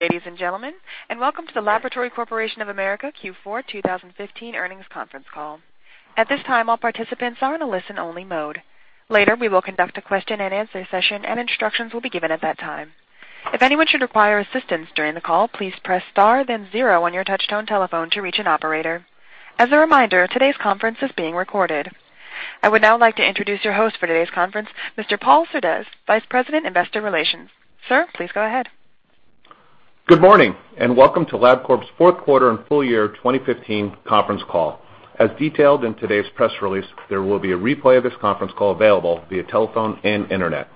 Ladies and gentlemen, and welcome to the Laboratory Corporation of America Q4 2015 Earnings Conference Call. At this time, all participants are in a listen-only mode. Later, we will conduct a question-and-answer session, and instructions will be given at that time. If anyone should require assistance during the call, please press star, then zero on your touch-tone telephone to reach an operator. As a reminder, today's conference is being recorded. I would now like to introduce your host for today's conference, Mr. Paul Surdez, Vice President, Investor Relations. Sir, please go ahead. Good morning, and welcome to LabCorp's fourth quarter and full year 2015 conference call. As detailed in today's press release, there will be a replay of this conference call available via telephone and internet.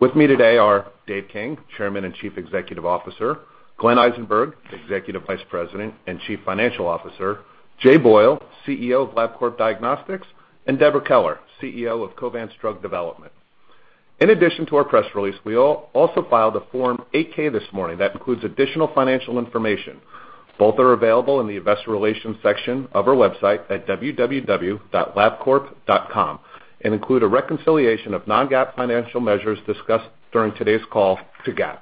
With me today are Dave King, Chairman and Chief Executive Officer; Glenn Eisenberg, Executive Vice President and Chief Financial Officer; Jay Boyle, CEO of LabCorp Diagnostics; and Deborah Keller, CEO of Covance Drug Development. In addition to our press release, we also filed a Form 8K this morning that includes additional financial information. Both are available in the Investor Relations section of our website at www.labcorp.com and include a reconciliation of non-GAAP financial measures discussed during today's call to GAAP.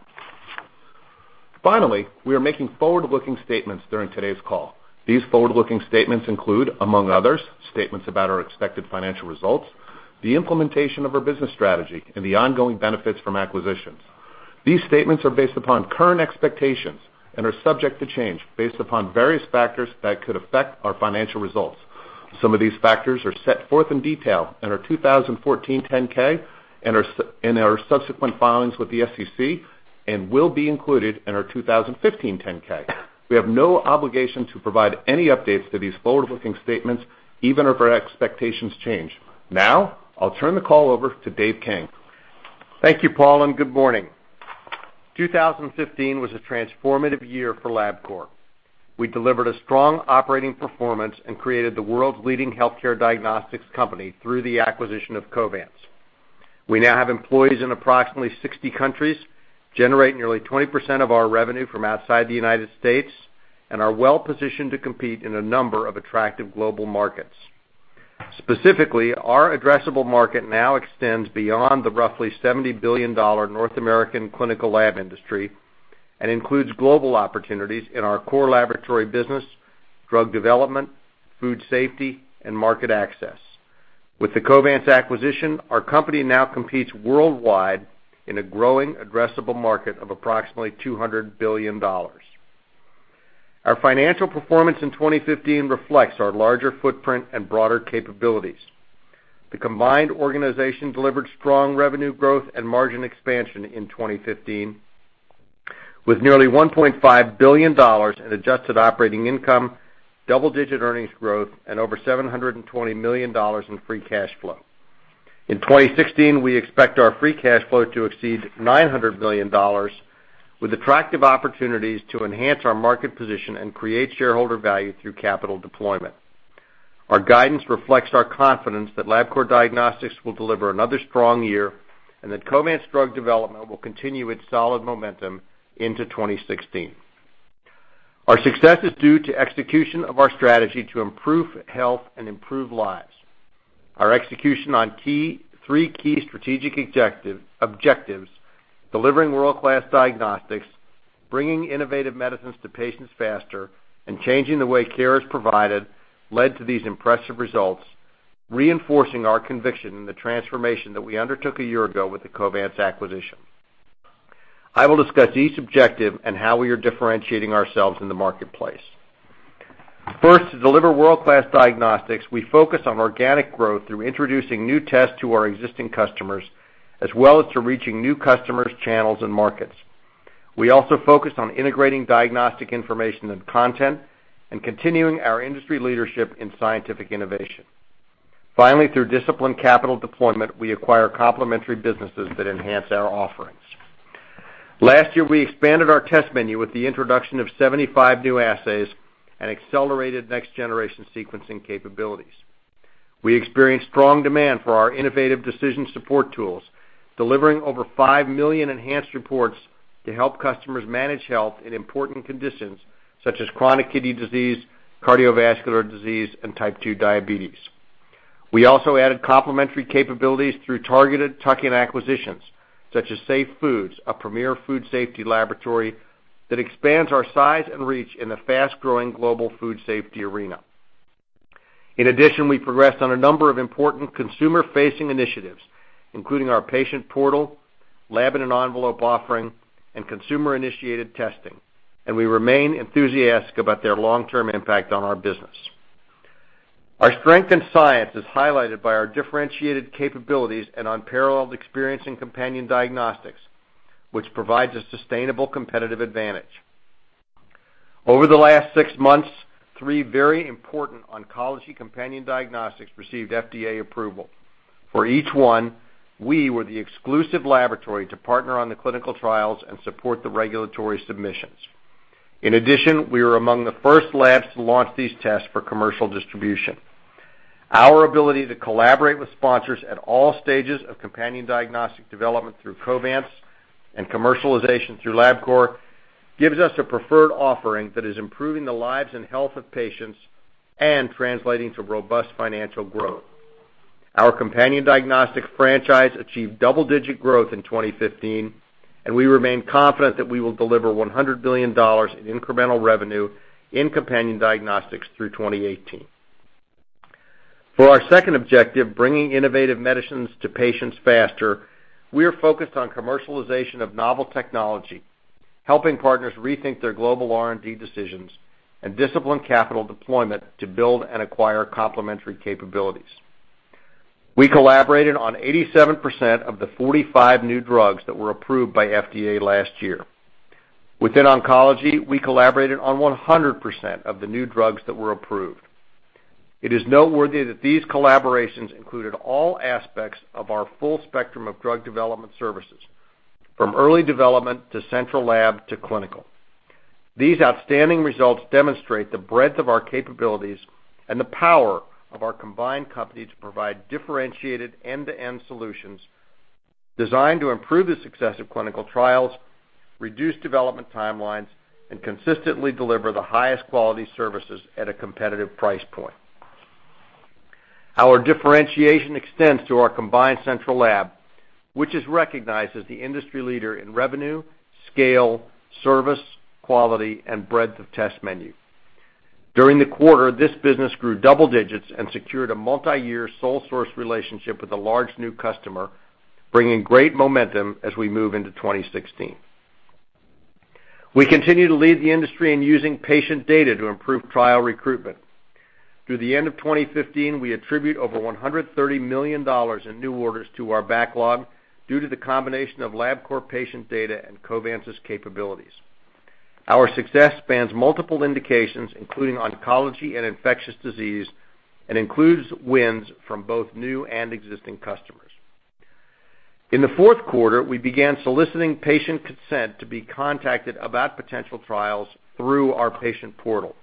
Finally, we are making forward-looking statements during today's call. These forward-looking statements include, among others, statements about our expected financial results, the implementation of our business strategy, and the ongoing benefits from acquisitions. These statements are based upon current expectations and are subject to change based upon various factors that could affect our financial results. Some of these factors are set forth in detail in our 2014 10-K and our subsequent filings with the SEC, and will be included in our 2015 10-K. We have no obligation to provide any updates to these forward-looking statements, even if our expectations change. Now, I'll turn the call over to Dave King. Thank you, Paul, and good morning. 2015 was a transformative year for LabCorp. We delivered a strong operating performance and created the world's leading healthcare diagnostics company through the acquisition of Covance. We now have employees in approximately 60 countries, generate nearly 20% of our revenue from outside the U.S., and are well-positioned to compete in a number of attractive global markets. Specifically, our addressable market now extends beyond the roughly $70 billion North American clinical lab industry and includes global opportunities in our core laboratory business, drug development, food safety, and market access. With the Covance acquisition, our company now competes worldwide in a growing addressable market of approximately $200 billion. Our financial performance in 2015 reflects our larger footprint and broader capabilities. The combined organization delivered strong revenue growth and margin expansion in 2015, with nearly $1.5 billion in adjusted operating income, double-digit earnings growth, and over $720 million in free cash flow. In 2016, we expect our free cash flow to exceed $900 million, with attractive opportunities to enhance our market position and create shareholder value through capital deployment. Our guidance reflects our confidence that LabCorp Diagnostics will deliver another strong year and that Covance drug development will continue its solid momentum into 2016. Our success is due to execution of our strategy to improve health and improve lives. Our execution on three key strategic objectives—delivering world-class diagnostics, bringing innovative medicines to patients faster, and changing the way care is provided—led to these impressive results, reinforcing our conviction in the transformation that we undertook a year ago with the Covance acquisition. I will discuss each objective and how we are differentiating ourselves in the marketplace. First, to deliver world-class diagnostics, we focus on organic growth through introducing new tests to our existing customers, as well as through reaching new customers, channels, and markets. We also focus on integrating diagnostic information and content and continuing our industry leadership in scientific innovation. Finally, through disciplined capital deployment, we acquire complementary businesses that enhance our offerings. Last year, we expanded our test menu with the introduction of 75 new assays and accelerated next-generation sequencing capabilities. We experienced strong demand for our innovative decision support tools, delivering over 5 million enhanced reports to help customers manage health in important conditions such as chronic kidney disease, cardiovascular disease, and type 2 diabetes. We also added complementary capabilities through targeted tuck-in acquisitions, such as Safe Foods, a premier food safety laboratory that expands our size and reach in the fast-growing global food safety arena. In addition, we progressed on a number of important consumer-facing initiatives, including our patient portal, lab-in-an-envelope offering, and consumer-initiated testing, and we remain enthusiastic about their long-term impact on our business. Our strength in science is highlighted by our differentiated capabilities and unparalleled experience in companion diagnostics, which provides a sustainable competitive advantage. Over the last six months, three very important oncology companion diagnostics received FDA approval. For each one, we were the exclusive laboratory to partner on the clinical trials and support the regulatory submissions. In addition, we were among the first labs to launch these tests for commercial distribution. Our ability to collaborate with sponsors at all stages of companion diagnostic development through Covance and commercialization through LabCorp gives us a preferred offering that is improving the lives and health of patients and translating to robust financial growth. Our companion diagnostic franchise achieved double-digit growth in 2015, and we remain confident that we will deliver $100 million in incremental revenue in companion diagnostics through 2018. For our second objective, bringing innovative medicines to patients faster, we are focused on commercialization of novel technology, helping partners rethink their global R&D decisions, and disciplined capital deployment to build and acquire complementary capabilities. We collaborated on 87% of the 45 new drugs that were approved by the FDA last year. Within oncology, we collaborated on 100% of the new drugs that were approved. It is noteworthy that these collaborations included all aspects of our full spectrum of drug development services, from early development to central lab to clinical. These outstanding results demonstrate the breadth of our capabilities and the power of our combined company to provide differentiated end-to-end solutions designed to improve the success of clinical trials, reduce development timelines, and consistently deliver the highest quality services at a competitive price point. Our differentiation extends to our combined central lab, which is recognized as the industry leader in revenue, scale, service, quality, and breadth of test menu. During the quarter, this business grew double digits and secured a multi-year sole-source relationship with a large new customer, bringing great momentum as we move into 2016. We continue to lead the industry in using patient data to improve trial recruitment. To the end of 2015, we attribute over $130 million in new orders to our backlog due to the combination of LabCorp patient data and Covance's capabilities. Our success spans multiple indications, including oncology and infectious disease, and includes wins from both new and existing customers. In the fourth quarter, we began soliciting patient consent to be contacted about potential trials through our patient portal.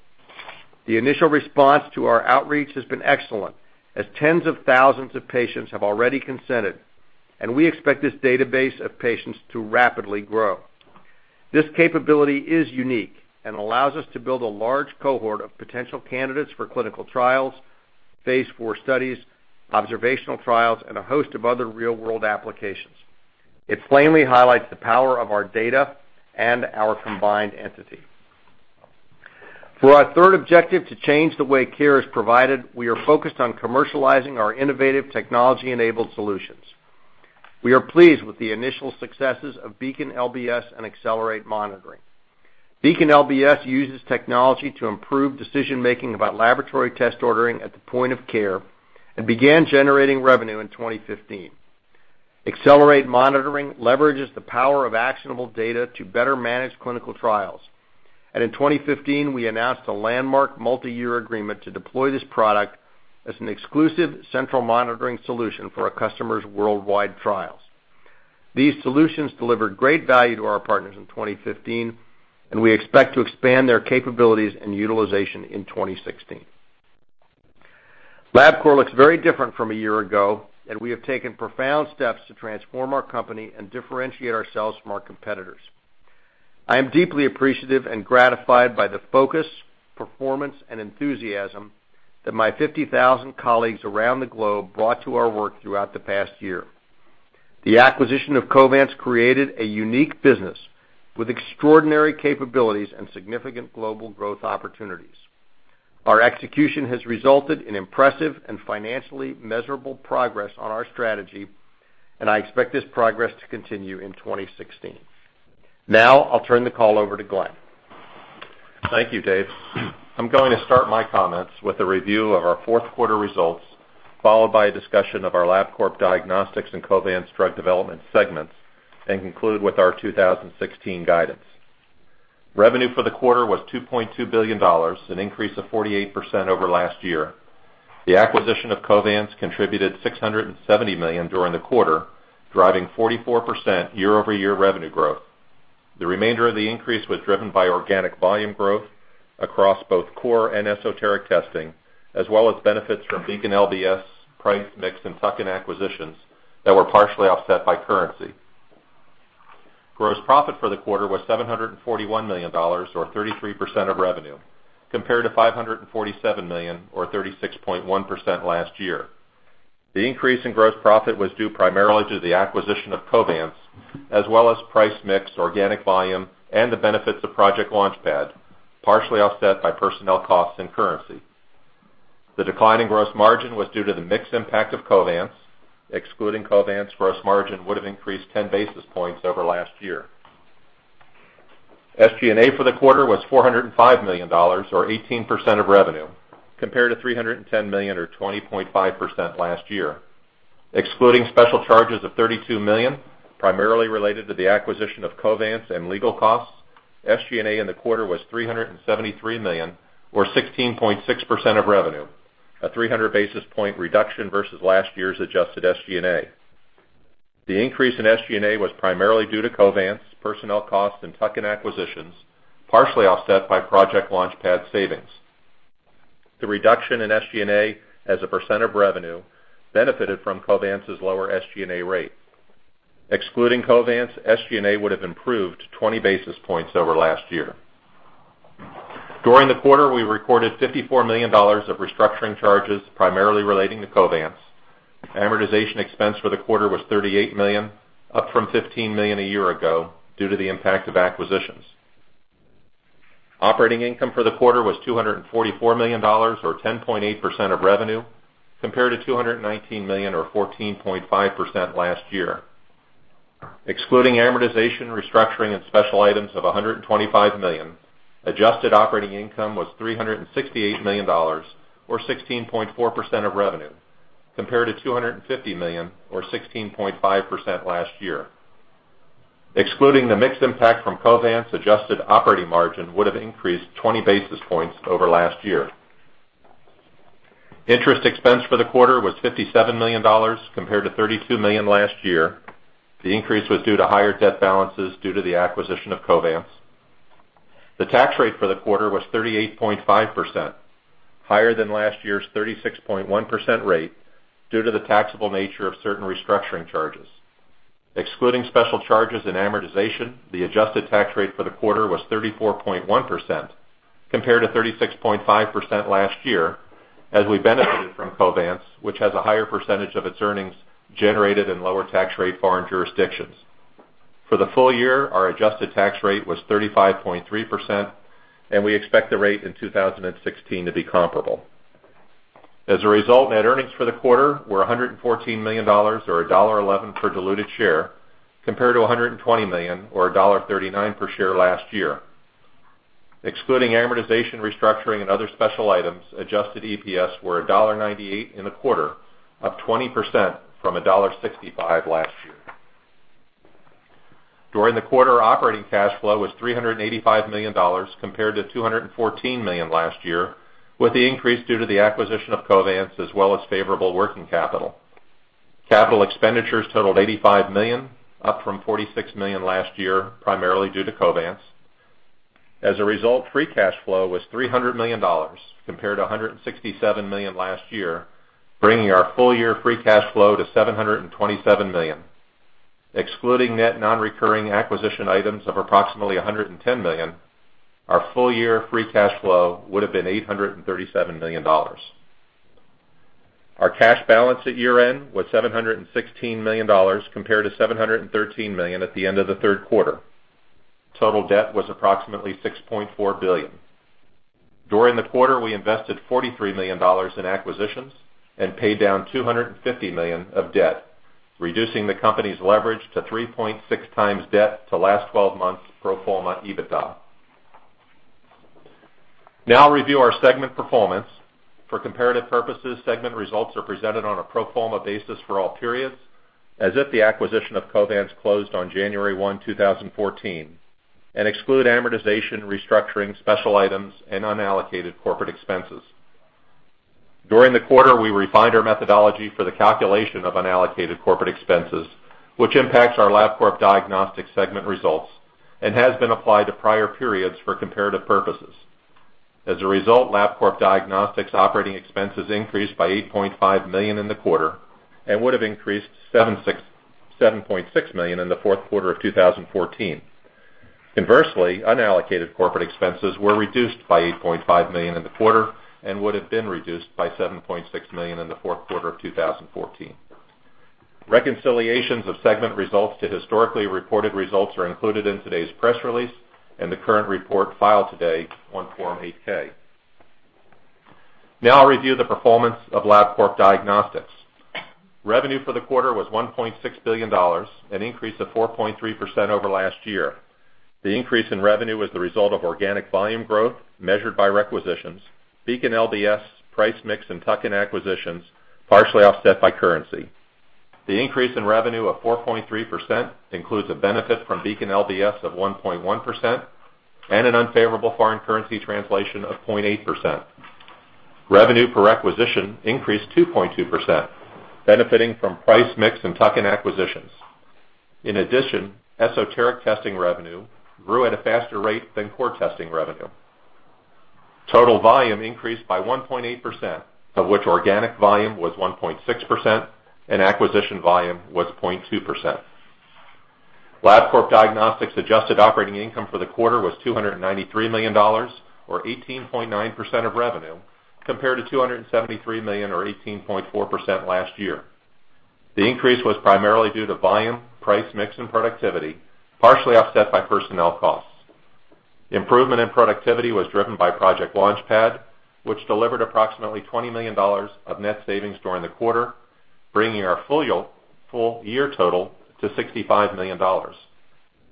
The initial response to our outreach has been excellent, as tens of thousands of patients have already consented, and we expect this database of patients to rapidly grow. This capability is unique and allows us to build a large cohort of potential candidates for clinical trials, phase four studies, observational trials, and a host of other real-world applications. It plainly highlights the power of our data and our combined entity. For our third objective to change the way care is provided, we are focused on commercializing our innovative technology-enabled solutions. We are pleased with the initial successes of Beacon LBS and Xcellerate Monitoring. Beacon LBS uses technology to improve decision-making about laboratory test ordering at the point of care and began generating revenue in 2015. Accelerate Monitoring leverages the power of actionable data to better manage clinical trials, and in 2015, we announced a landmark multi-year agreement to deploy this product as an exclusive central monitoring solution for our customers' worldwide trials. These solutions delivered great value to our partners in 2015, and we expect to expand their capabilities and utilization in 2016. LabCorp looks very different from a year ago, and we have taken profound steps to transform our company and differentiate ourselves from our competitors. I am deeply appreciative and gratified by the focus, performance, and enthusiasm that my 50,000 colleagues around the globe brought to our work throughout the past year. The acquisition of Covance created a unique business with extraordinary capabilities and significant global growth opportunities. Our execution has resulted in impressive and financially measurable progress on our strategy, and I expect this progress to continue in 2016. Now, I'll turn the call over to Glenn. Thank you, Dave. I'm going to start my comments with a review of our fourth quarter results, followed by a discussion of our LabCorp Diagnostics and Covance drug development segments, and conclude with our 2016 guidance. Revenue for the quarter was $2.2 billion, an increase of 48% over last year. The acquisition of Covance contributed $670 million during the quarter, driving 44% year-over-year revenue growth. The remainder of the increase was driven by organic volume growth across both core and esoteric testing, as well as benefits from Beacon LBS, Price Mix, and Tuck-in acquisitions that were partially offset by currency. Gross profit for the quarter was $741 million, or 33% of revenue, compared to $547 million, or 36.1% last year. The increase in gross profit was due primarily to the acquisition of Covance, as well as price mix, organic volume, and the benefits of Project Launchpad, partially offset by personnel costs and currency. The decline in gross margin was due to the mixed impact of Covance. Excluding Covance, gross margin would have increased 10 basis points over last year. SG&A for the quarter was $405 million, or 18% of revenue, compared to $310 million, or 20.5% last year. Excluding special charges of $32 million, primarily related to the acquisition of Covance and legal costs, SG&A in the quarter was $373 million, or 16.6% of revenue, a 300 basis point reduction versus last year's adjusted SG&A. The increase in SG&A was primarily due to Covance, personnel costs, and Tuck-in acquisitions, partially offset by Project Launchpad savings. The reduction in SG&A as a percent of revenue benefited from Covance's lower SG&A rate. Excluding Covance, SG&A would have improved 20 basis points over last year. During the quarter, we recorded $54 million of restructuring charges, primarily relating to Covance. Amortization expense for the quarter was $38 million, up from $15 million a year ago due to the impact of acquisitions. Operating income for the quarter was $244 million, or 10.8% of revenue, compared to $219 million, or 14.5% last year. Excluding amortization, restructuring, and special items of $125 million, adjusted operating income was $368 million, or 16.4% of revenue, compared to $250 million, or 16.5% last year. Excluding the mixed impact from Covance, adjusted operating margin would have increased 20 basis points over last year. Interest expense for the quarter was $57 million, compared to $32 million last year. The increase was due to higher debt balances due to the acquisition of Covance. The tax rate for the quarter was 38.5%, higher than last year's 36.1% rate due to the taxable nature of certain restructuring charges. Excluding special charges and amortization, the adjusted tax rate for the quarter was 34.1%, compared to 36.5% last year, as we benefited from Covance, which has a higher percentage of its earnings generated in lower tax rate foreign jurisdictions. For the full year, our adjusted tax rate was 35.3%, and we expect the rate in 2016 to be comparable. As a result, net earnings for the quarter were $114 million, or $1.11 per diluted share, compared to $120 million, or $1.39 per share last year. Excluding amortization, restructuring, and other special items, adjusted EPS were $1.98 in the quarter, up 20% from $1.65 last year. During the quarter, operating cash flow was $385 million, compared to $214 million last year, with the increase due to the acquisition of Covance as well as favorable working capital. Capital expenditures totaled $85 million, up from $46 million last year, primarily due to Covance. As a result, free cash flow was $300 million, compared to $167 million last year, bringing our full-year free cash flow to $727 million. Excluding net non-recurring acquisition items of approximately $110 million, our full-year free cash flow would have been $837 million. Our cash balance at year-end was $716 million, compared to $713 million at the end of the third quarter. Total debt was approximately $6.4 billion. During the quarter, we invested $43 million in acquisitions and paid down $250 million of debt, reducing the company's leverage to 3.6 times debt to last 12 months pro forma EBITDA. Now, I'll review our segment performance. For comparative purposes, segment results are presented on a pro forma basis for all periods, as if the acquisition of Covance closed on January 1, 2014, and exclude amortization, restructuring, special items, and unallocated corporate expenses. During the quarter, we refined our methodology for the calculation of unallocated corporate expenses, which impacts our LabCorp Diagnostics segment results and has been applied to prior periods for comparative purposes. As a result, LabCorp Diagnostics operating expenses increased by $8.5 million in the quarter and would have increased $7.6 million in the fourth quarter of 2014. Conversely, unallocated corporate expenses were reduced by $8.5 million in the quarter and would have been reduced by $7.6 million in the fourth quarter of 2014. Reconciliations of segment results to historically reported results are included in today's press release and the current report filed today on Form 8K. Now, I'll review the performance of LabCorp Diagnostics. Revenue for the quarter was $1.6 billion, an increase of 4.3% over last year. The increase in revenue is the result of organic volume growth measured by requisitions, Beacon LBS, Price Mix, and Tuck-in acquisitions, partially offset by currency. The increase in revenue of 4.3% includes a benefit from Beacon LBS of 1.1% and an unfavorable foreign currency translation of 0.8%. Revenue per requisition increased 2.2%, benefiting from Price Mix and Tuck-in acquisitions. In addition, esoteric testing revenue grew at a faster rate than core testing revenue. Total volume increased by 1.8%, of which organic volume was 1.6% and acquisition volume was 0.2%. LabCorp Diagnostics adjusted operating income for the quarter was $293 million, or 18.9% of revenue, compared to $273 million, or 18.4% last year. The increase was primarily due to volume, Price Mix, and productivity, partially offset by personnel costs. Improvement in productivity was driven by Project Launchpad, which delivered approximately $20 million of net savings during the quarter, bringing our full-year total to $65 million.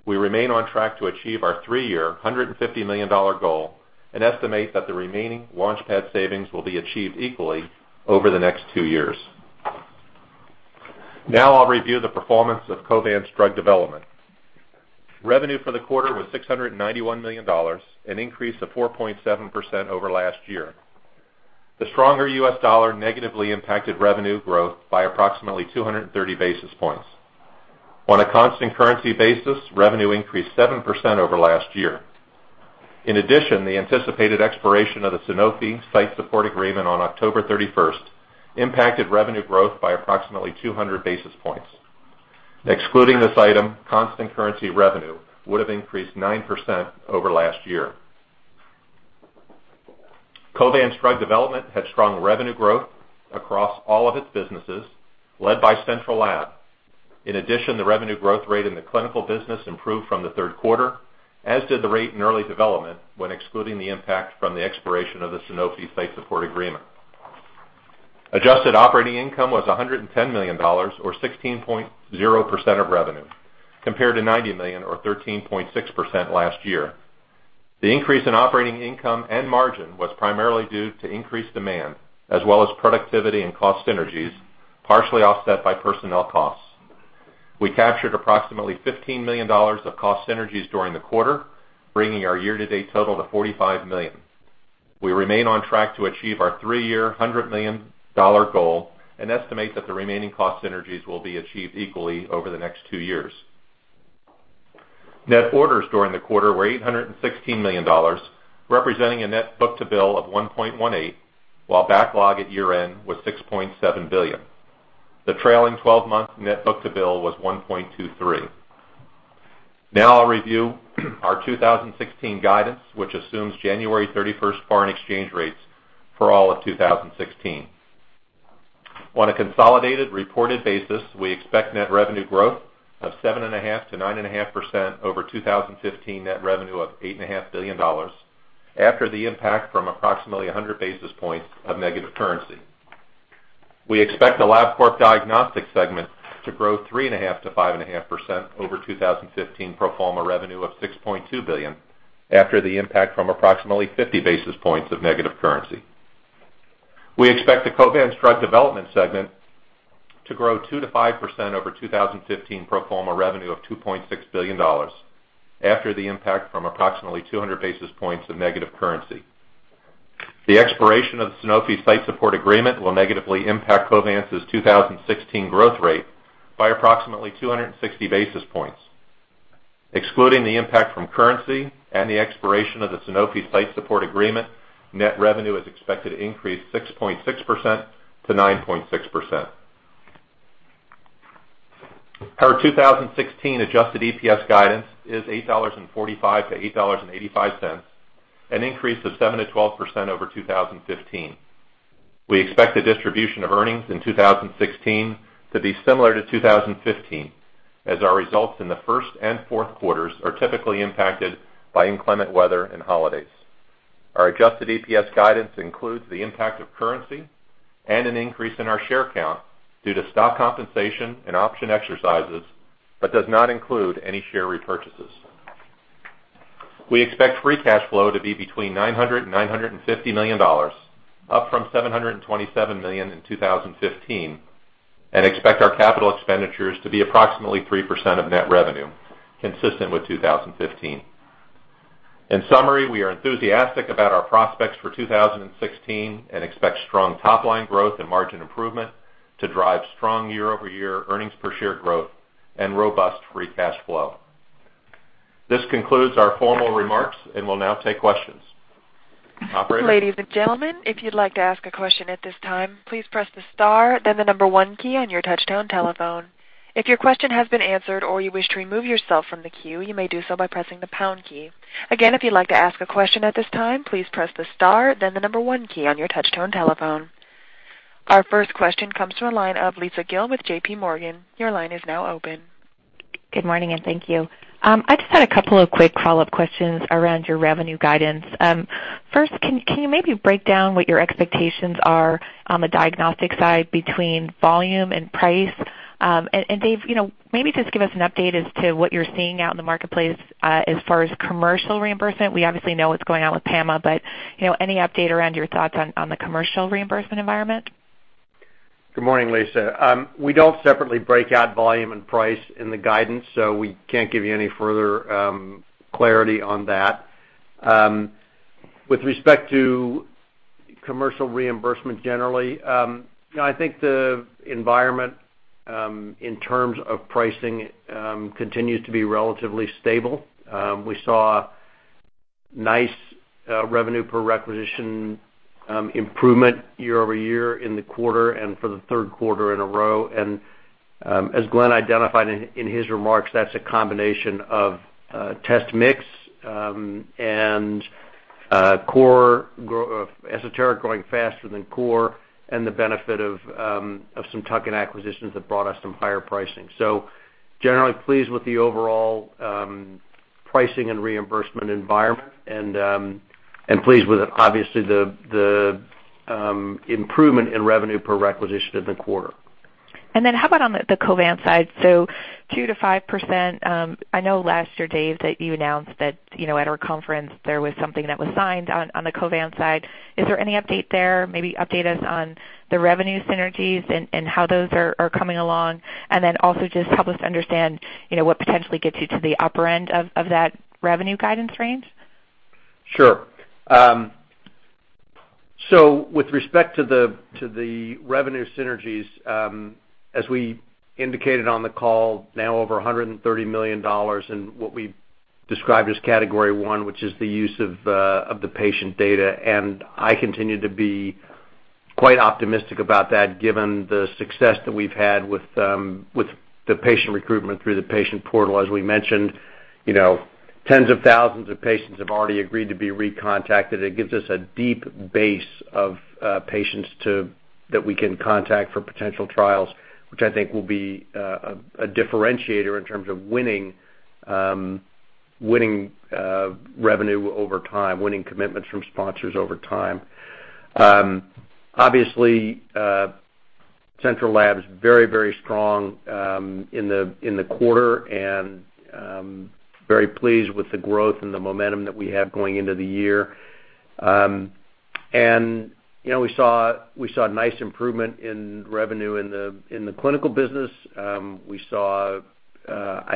We remain on track to achieve our three-year $150 million goal and estimate that the remaining Launchpad savings will be achieved equally over the next two years. Now, I'll review the performance of Covance drug development. Revenue for the quarter was $691 million, an increase of 4.7% over last year. The stronger US dollar negatively impacted revenue growth by approximately 230 basis points. On a constant currency basis, revenue increased 7% over last year. In addition, the anticipated expiration of the Sanofi site support agreement on October 31st impacted revenue growth by approximately 200 basis points. Excluding this item, constant currency revenue would have increased 9% over last year. Covance drug development had strong revenue growth across all of its businesses, led by Central Lab. In addition, the revenue growth rate in the clinical business improved from the third quarter, as did the rate in early development when excluding the impact from the expiration of the Sanofi site support agreement. Adjusted operating income was $110 million, or 16.0% of revenue, compared to $90 million, or 13.6% last year. The increase in operating income and margin was primarily due to increased demand, as well as productivity and cost synergies, partially offset by personnel costs. We captured approximately $15 million of cost synergies during the quarter, bringing our year-to-date total to $45 million. We remain on track to achieve our three-year $100 million goal and estimate that the remaining cost synergies will be achieved equally over the next two years. Net orders during the quarter were $816 million, representing a net book-to-bill of 1.18, while backlog at year-end was $6.7 billion. The trailing 12-month net book-to-bill was 1.23. Now, I'll review our 2016 guidance, which assumes January 31 foreign exchange rates for all of 2016. On a consolidated reported basis, we expect net revenue growth of 7.5-9.5% over 2015 net revenue of $8.5 billion after the impact from approximately 100 basis points of negative currency. We expect the LabCorp Diagnostics segment to grow 3.5-5.5% over 2015 pro forma revenue of $6.2 billion after the impact from approximately 50 basis points of negative currency. We expect the Covance drug development segment to grow 2-5% over 2015 pro forma revenue of $2.6 billion after the impact from approximately 200 basis points of negative currency. The expiration of the Sanofi site support agreement will negatively impact Covance's 2016 growth rate by approximately 260 basis points. Excluding the impact from currency and the expiration of the Sanofi site support agreement, net revenue is expected to increase 6.6%-9.6%. Our 2016 adjusted EPS guidance is $8.45-$8.85, an increase of 7%-12% over 2015. We expect the distribution of earnings in 2016 to be similar to 2015, as our results in the first and fourth quarters are typically impacted by inclement weather and holidays. Our adjusted EPS guidance includes the impact of currency and an increase in our share count due to stock compensation and option exercises, but does not include any share repurchases. We expect free cash flow to be between $900 million and $950 million, up from $727 million in 2015, and expect our capital expenditures to be approximately 3% of net revenue, consistent with 2015. In summary, we are enthusiastic about our prospects for 2016 and expect strong top-line growth and margin improvement to drive strong year-over-year earnings per share growth and robust free cash flow. This concludes our formal remarks and will now take questions. Ladies and gentlemen, if you'd like to ask a question at this time, please press the star, then the number one key on your touch-tone telephone. If your question has been answered or you wish to remove yourself from the queue, you may do so by pressing the pound key. Again, if you'd like to ask a question at this time, please press the star, then the number one key on your touch-tone telephone. Our first question comes from a line of Lisa Gill with JP Morgan. Your line is now open. Good morning and thank you. I just had a couple of quick follow-up questions around your revenue guidance. First, can you maybe break down what your expectations are on the diagnostic side between volume and price? And Dave, maybe just give us an update as to what you're seeing out in the marketplace as far as commercial reimbursement. We obviously know what's going on with PAMA, but any update around your thoughts on the commercial reimbursement environment? Good morning, Lisa. We don't separately break out volume and price in the guidance, so we can't give you any further clarity on that. With respect to commercial reimbursement generally, I think the environment in terms of pricing continues to be relatively stable. We saw nice revenue per requisition improvement year-over-year in the quarter and for the third quarter in a row. As Glenn identified in his remarks, that's a combination of test mix and esoteric growing faster than core and the benefit of some tuck-in acquisitions that brought us some higher pricing. Generally pleased with the overall pricing and reimbursement environment and pleased with, obviously, the improvement in revenue per requisition in the quarter. How about on the Covance side? 2-5%. I know last year, Dave, that you announced that at our conference there was something that was signed on the Covance side. Is there any update there? Maybe update us on the revenue synergies and how those are coming along? Also just help us understand what potentially gets you to the upper end of that revenue guidance range? Sure. With respect to the revenue synergies, as we indicated on the call, now over $130 million in what we described as category one, which is the use of the patient data. I continue to be quite optimistic about that given the success that we've had with the patient recruitment through the patient portal. As we mentioned, tens of thousands of patients have already agreed to be recontacted. It gives us a deep base of patients that we can contact for potential trials, which I think will be a differentiator in terms of winning revenue over time, winning commitments from sponsors over time. Obviously, Central Lab is very, very strong in the quarter and very pleased with the growth and the momentum that we have going into the year. We saw nice improvement in revenue in the clinical business. I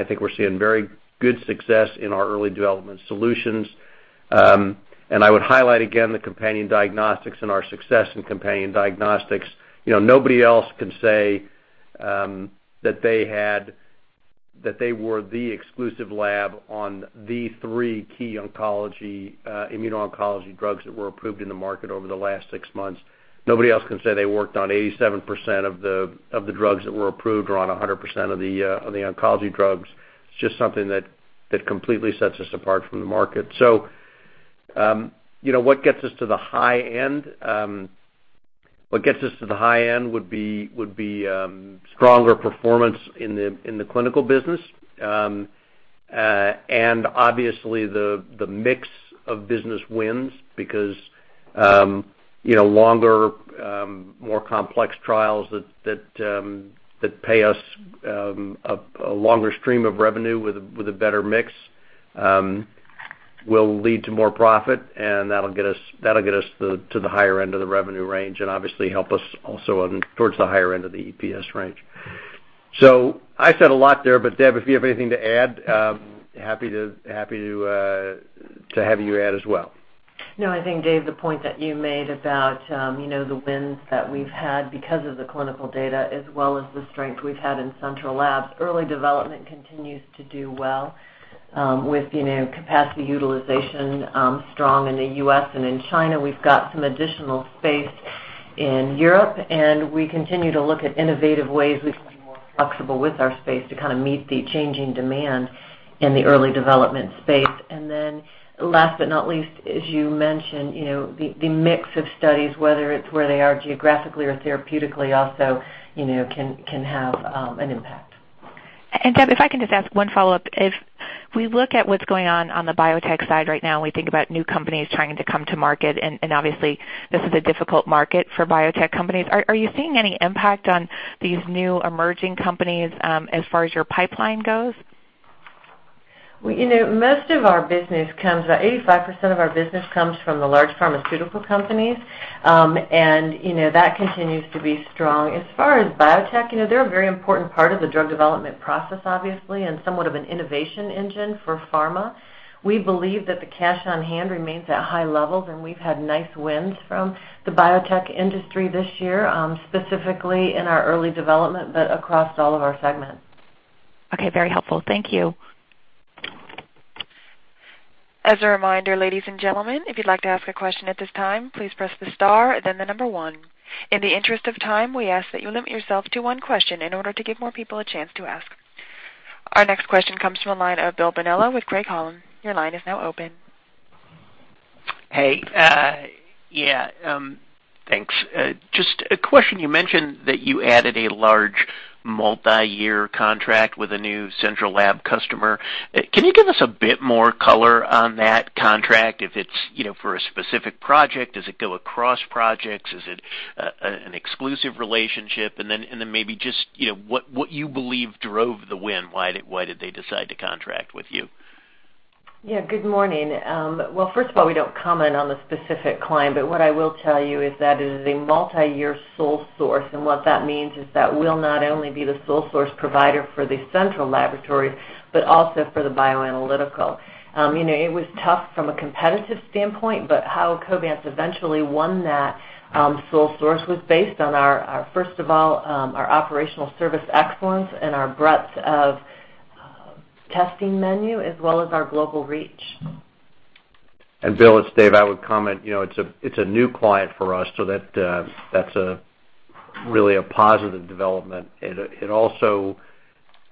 think we're seeing very good success in our early development solutions. I would highlight again the Companion Diagnostics and our success in Companion Diagnostics. Nobody else can say that they were the exclusive lab on the three key immuno-oncology drugs that were approved in the market over the last six months. Nobody else can say they worked on 87% of the drugs that were approved or on 100% of the oncology drugs. It's just something that completely sets us apart from the market. What gets us to the high end? What gets us to the high end would be stronger performance in the clinical business and obviously the mix of business wins because longer, more complex trials that pay us a longer stream of revenue with a better mix will lead to more profit, and that'll get us to the higher end of the revenue range and obviously help us also towards the higher end of the EPS range. I said a lot there, but Deb, if you have anything to add, happy to have you add as well. No, I think, Dave, the point that you made about the wins that we've had because of the clinical data as well as the strength we've had in Central Labs, early development continues to do well with capacity utilization strong in the U.S. and in China. We've got some additional space in Europe, and we continue to look at innovative ways we can be more flexible with our space to kind of meet the changing demand in the early development space. Last but not least, as you mentioned, the mix of studies, whether it's where they are geographically or therapeutically, also can have an impact. Deb, if I can just ask one follow-up. If we look at what's going on on the biotech side right now, we think about new companies trying to come to market, and obviously this is a difficult market for biotech companies. Are you seeing any impact on these new emerging companies as far as your pipeline goes? Most of our business comes, about 85% of our business comes from the large pharmaceutical companies, and that continues to be strong. As far as biotech, they're a very important part of the drug development process, obviously, and somewhat of an innovation engine for pharma. We believe that the cash on hand remains at high levels, and we've had nice wins from the biotech industry this year, specifically in our early development, but across all of our segments. Okay, very helpful. Thank you. As a reminder, ladies and gentlemen, if you'd like to ask a question at this time, please press the star, then the number one. In the interest of time, we ask that you limit yourself to one question in order to give more people a chance to ask. Our next question comes from a line of Bill Bonello with Craig-Hallum. Your line is now open. Hey. Yeah. Thanks. Just a question. You mentioned that you added a large multi-year contract with a new Central Lab customer. Can you give us a bit more color on that contract? If it's for a specific project, does it go across projects? Is it an exclusive relationship? Maybe just what you believe drove the win? Why did they decide to contract with you? Yeah. Good morning. First of all, we don't comment on the specific client, but what I will tell you is that it is a multi-year sole source. What that means is that we'll not only be the sole source provider for the Central Laboratory, but also for the bioanalytical. It was tough from a competitive standpoint, but how Covance eventually won that sole source was based on, first of all, our operational service excellence and our breadth of testing menu as well as our global reach. Bill, it's Dave. I would comment it's a new client for us, so that's really a positive development. It also,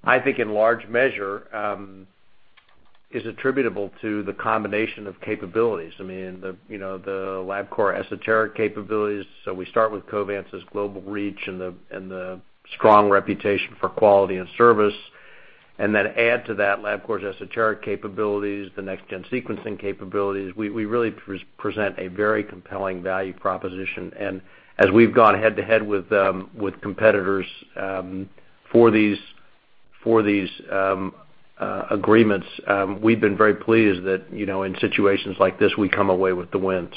I think in large measure, is attributable to the combination of capabilities. I mean, the LabCorp Esoteric capabilities. We start with Covance's global reach and the strong reputation for quality and service. Then add to that LabCorp's Esoteric capabilities, the next-gen sequencing capabilities. We really present a very compelling value proposition. As we've gone head-to-head with competitors for these agreements, we've been very pleased that in situations like this, we come away with the wins.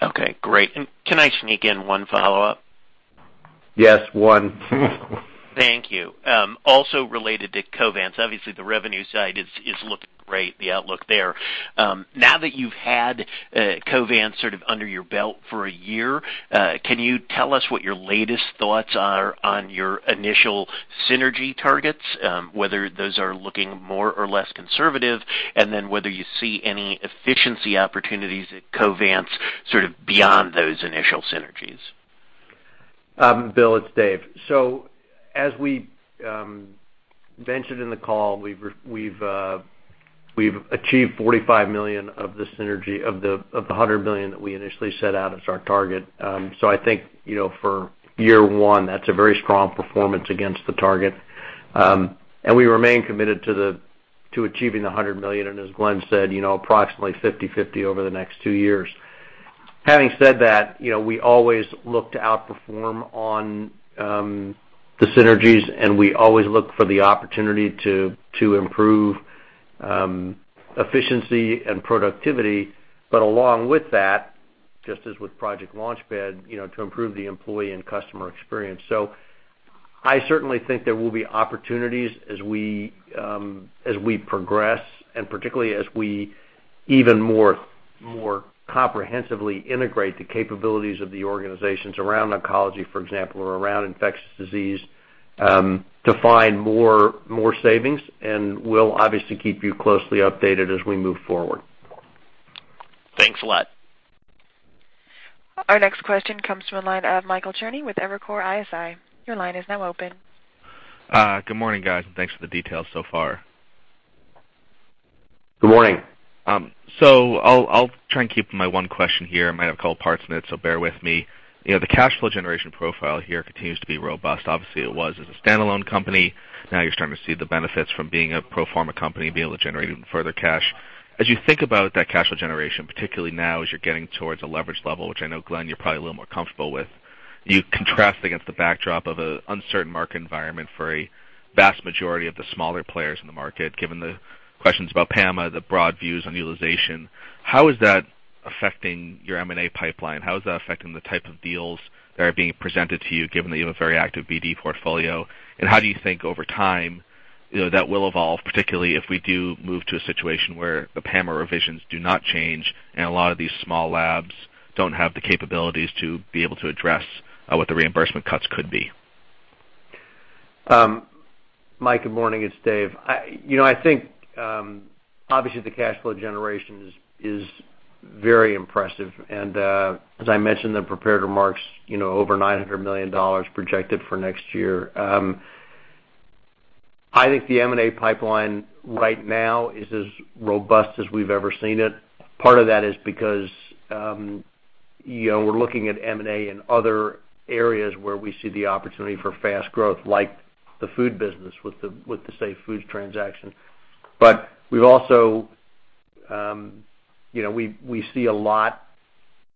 Okay. Great. Can I sneak in one follow-up? Yes. One. Thank you. Also related to Covance, obviously the revenue side is looking great, the outlook there. Now that you've had Covance sort of under your belt for a year, can you tell us what your latest thoughts are on your initial synergy targets, whether those are looking more or less conservative, and then whether you see any efficiency opportunities at Covance sort of beyond those initial synergies? Bill, it's Dave. As we mentioned in the call, we've achieved $45 million of the synergy of the $100 million that we initially set out as our target. I think for year one, that's a very strong performance against the target. We remain committed to achieving the $100 million. As Glenn said, approximately 50/50 over the next two years. Having said that, we always look to outperform on the synergies, and we always look for the opportunity to improve efficiency and productivity. Along with that, just as with Project Launchpad, to improve the employee and customer experience. I certainly think there will be opportunities as we progress and particularly as we even more comprehensively integrate the capabilities of the organizations around oncology, for example, or around infectious disease to find more savings. We will obviously keep you closely updated as we move forward. Thanks a lot. Our next question comes from a line of Michael Cherney with Evercore ISI. Your line is now open. Good morning, guys, and thanks for the details so far. Good morning. I will try and keep my one question here. It might have a couple of parts in it, so bear with me. The cash flow generation profile here continues to be robust. Obviously, it was as a standalone company. Now you're starting to see the benefits from being a pro-pharma company, being able to generate even further cash. As you think about that cash flow generation, particularly now as you're getting towards a leverage level, which I know, Glenn, you're probably a little more comfortable with, you contrast against the backdrop of an uncertain market environment for a vast majority of the smaller players in the market, given the questions about PAMA, the broad views on utilization. How is that affecting your M&A pipeline? How is that affecting the type of deals that are being presented to you, given that you have a very active BD portfolio? How do you think over time that will evolve, particularly if we do move to a situation where the PAMA revisions do not change and a lot of these small labs do not have the capabilities to be able to address what the reimbursement cuts could be? Mike, good morning. It is Dave. I think obviously the cash flow generation is very impressive. As I mentioned in the prepared remarks, over $900 million projected for next year. I think the M&A pipeline right now is as robust as we have ever seen it. Part of that is because we are looking at M&A in other areas where we see the opportunity for fast growth, like the food business with the Safe Foods transaction. We've also seen a lot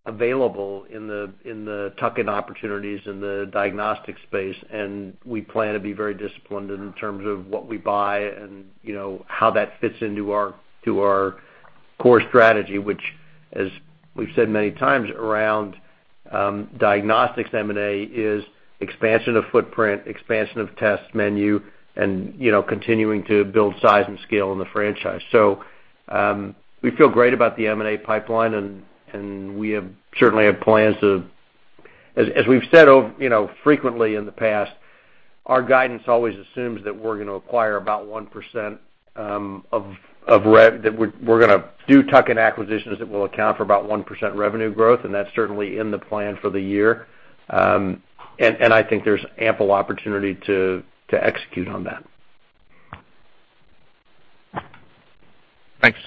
available in the Tuck-in opportunities in the diagnostic space, and we plan to be very disciplined in terms of what we buy and how that fits into our core strategy, which, as we've said many times around diagnostics, M&A is expansion of footprint, expansion of test menu, and continuing to build size and scale in the franchise. We feel great about the M&A pipeline, and we certainly have plans to, as we've said frequently in the past, our guidance always assumes that we're going to acquire about 1% of that we're going to do Tuck-in acquisitions that will account for about 1% revenue growth, and that's certainly in the plan for the year. I think there's ample opportunity to execute on that. Thanks.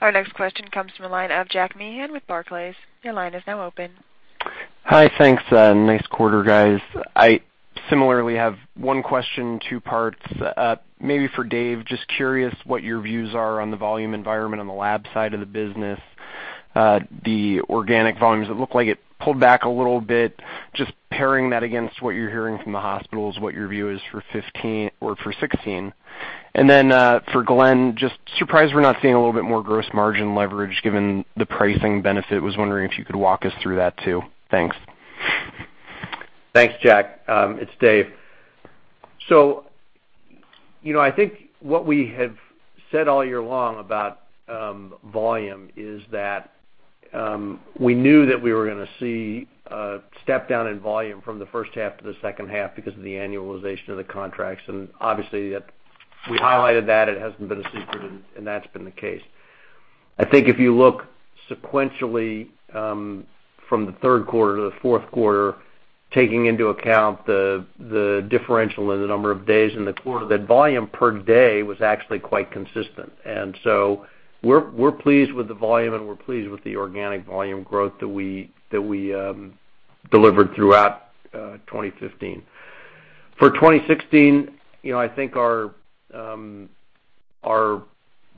Our next question comes from a line of Jack Meehan with Barclays. Your line is now open. Hi. Thanks. Nice quarter, guys. I similarly have one question, two parts. Maybe for Dave, just curious what your views are on the volume environment on the lab side of the business, the organic volumes that look like it pulled back a little bit. Just pairing that against what you're hearing from the hospitals, what your view is for 2015 or for 2016. And then for Glenn, just surprised we're not seeing a little bit more gross margin leverage given the pricing benefit. Was wondering if you could walk us through that too. Thanks. Thanks, Jack. It's Dave. I think what we have said all year long about volume is that we knew that we were going to see a step down in volume from the first half to the second half because of the annualization of the contracts. Obviously, we highlighted that. It hasn't been a secret, and that's been the case. I think if you look sequentially from the third quarter to the fourth quarter, taking into account the differential in the number of days in the quarter, that volume per day was actually quite consistent. We're pleased with the volume, and we're pleased with the organic volume growth that we delivered throughout 2015. For 2016, I think our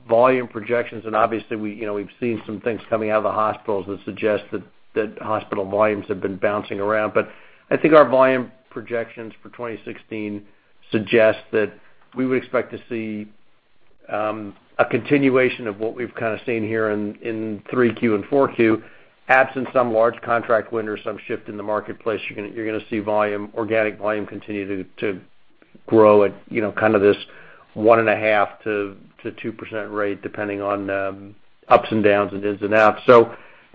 volume projections, and obviously we've seen some things coming out of the hospitals that suggest that hospital volumes have been bouncing around. I think our volume projections for 2016 suggest that we would expect to see a continuation of what we've kind of seen here in 3Q and 4Q. Absent some large contract wind or some shift in the marketplace, you're going to see organic volume continue to grow at kind of this 1.5-2% rate, depending on ups and downs and ins and outs.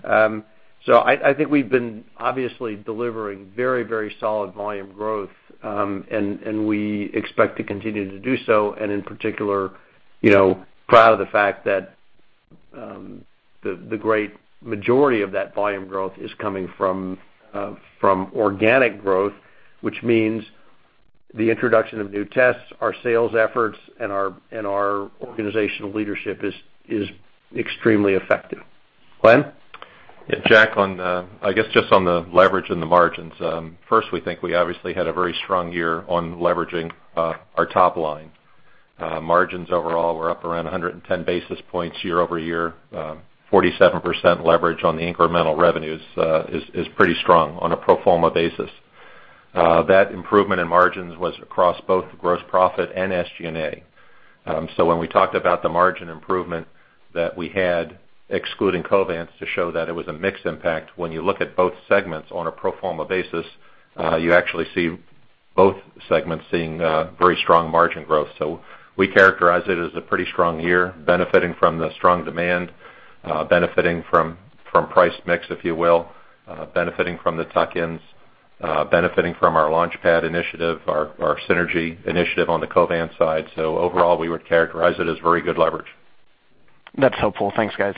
I think we've been obviously delivering very, very solid volume growth, and we expect to continue to do so. In particular, proud of the fact that the great majority of that volume growth is coming from organic growth, which means the introduction of new tests, our sales efforts, and our organizational leadership is extremely effective. Glenn? Yeah. Jack, I guess just on the leverage and the margins. First, we think we obviously had a very strong year on leveraging our top line. Margins overall were up around 110 basis points year-over-year. 47% leverage on the incremental revenues is pretty strong on a pro-pharma basis. That improvement in margins was across both gross profit and SG&A. When we talked about the margin improvement that we had, excluding Covance, to show that it was a mix impact, when you look at both segments on a pro-pharma basis, you actually see both segments seeing very strong margin growth. We characterize it as a pretty strong year, benefiting from the strong demand, benefiting from price mix, if you will, benefiting from the Tuck-ins, benefiting from our Launchpad initiative, our synergy initiative on the Covance side. Overall, we would characterize it as very good leverage. That's helpful. Thanks, guys.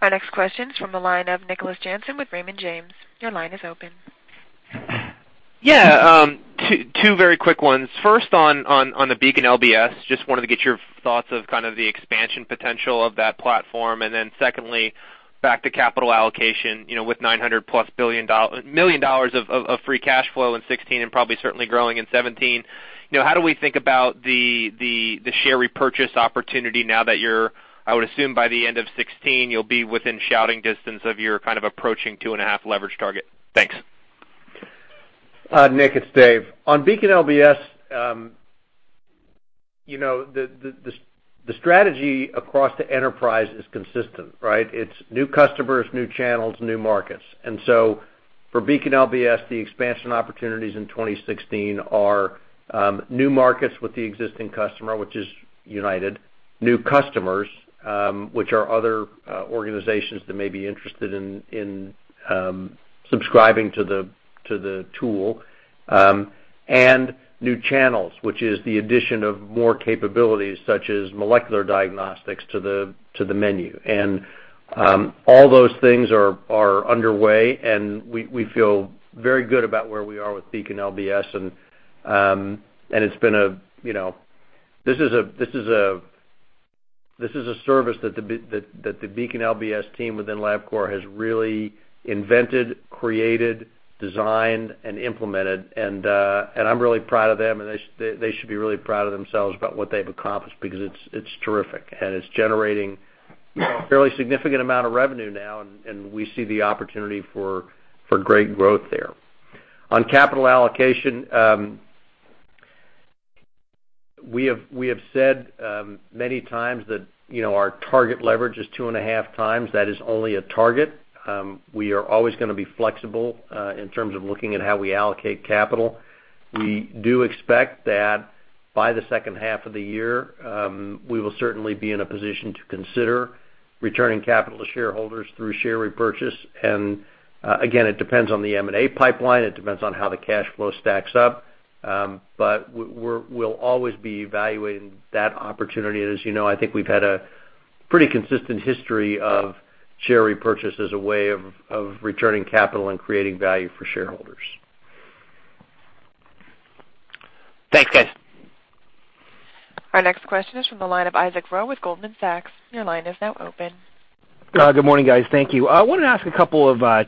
Our next question is from a line of Nicholas Jansen with Raymond James. Your line is open. Yeah. Two very quick ones. First, on the Beacon LBS, just wanted to get your thoughts of kind of the expansion potential of that platform. And then secondly, back to capital allocation with $900 million-plus of free cash flow in 2016 and probably certainly growing in 2017. How do we think about the share repurchase opportunity now that you're, I would assume, by the end of 2016, you'll be within shouting distance of your kind of approaching 2.5 leverage target? Thanks. Nick, it's Dave. On Beacon LBS, the strategy across the enterprise is consistent, right? It's new customers, new channels, new markets. For Beacon LBS, the expansion opportunities in 2016 are new markets with the existing customer, which is United, new customers, which are other organizations that may be interested in subscribing to the tool, and new channels, which is the addition of more capabilities such as molecular diagnostics to the menu. All those things are underway, and we feel very good about where we are with Beacon LBS. It has been a—this is a service that the Beacon LBS team within Labcorp has really invented, created, designed, and implemented. I am really proud of them, and they should be really proud of themselves about what they have accomplished because it is terrific. It is generating a fairly significant amount of revenue now, and we see the opportunity for great growth there. On capital allocation, we have said many times that our target leverage is 2.5 times. That is only a target. We are always going to be flexible in terms of looking at how we allocate capital. We do expect that by the second half of the year, we will certainly be in a position to consider returning capital to shareholders through share repurchase. Again, it depends on the M&A pipeline. It depends on how the cash flow stacks up. We will always be evaluating that opportunity. As you know, I think we've had a pretty consistent history of share repurchase as a way of returning capital and creating value for shareholders. Thanks, guys. Our next question is from a line of Isaac Ro with Goldman Sachs. Your line is now open. Good morning, guys. Thank you. I wanted to ask a couple of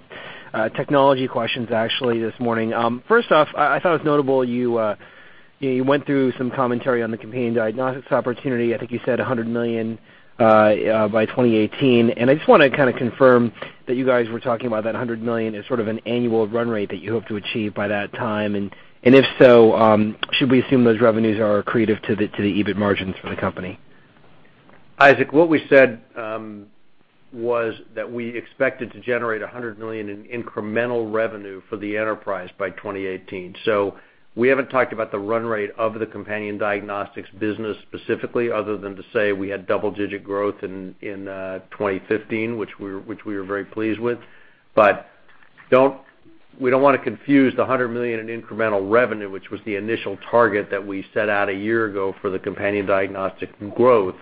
technology questions, actually, this morning. First off, I thought it was notable you went through some commentary on the companion diagnostics opportunity. I think you said $100 million by 2018. I just want to kind of confirm that you guys were talking about that $100 million as sort of an annual run rate that you hope to achieve by that time. If so, should we assume those revenues are accretive to the EBIT margins for the company? Isaac, what we said was that we expected to generate $100 million in incremental revenue for the enterprise by 2018. We have not talked about the run rate of the companion diagnostics business specifically, other than to say we had double-digit growth in 2015, which we were very pleased with. We do not want to confuse the $100 million in incremental revenue, which was the initial target that we set out a year ago for the companion diagnostic growth,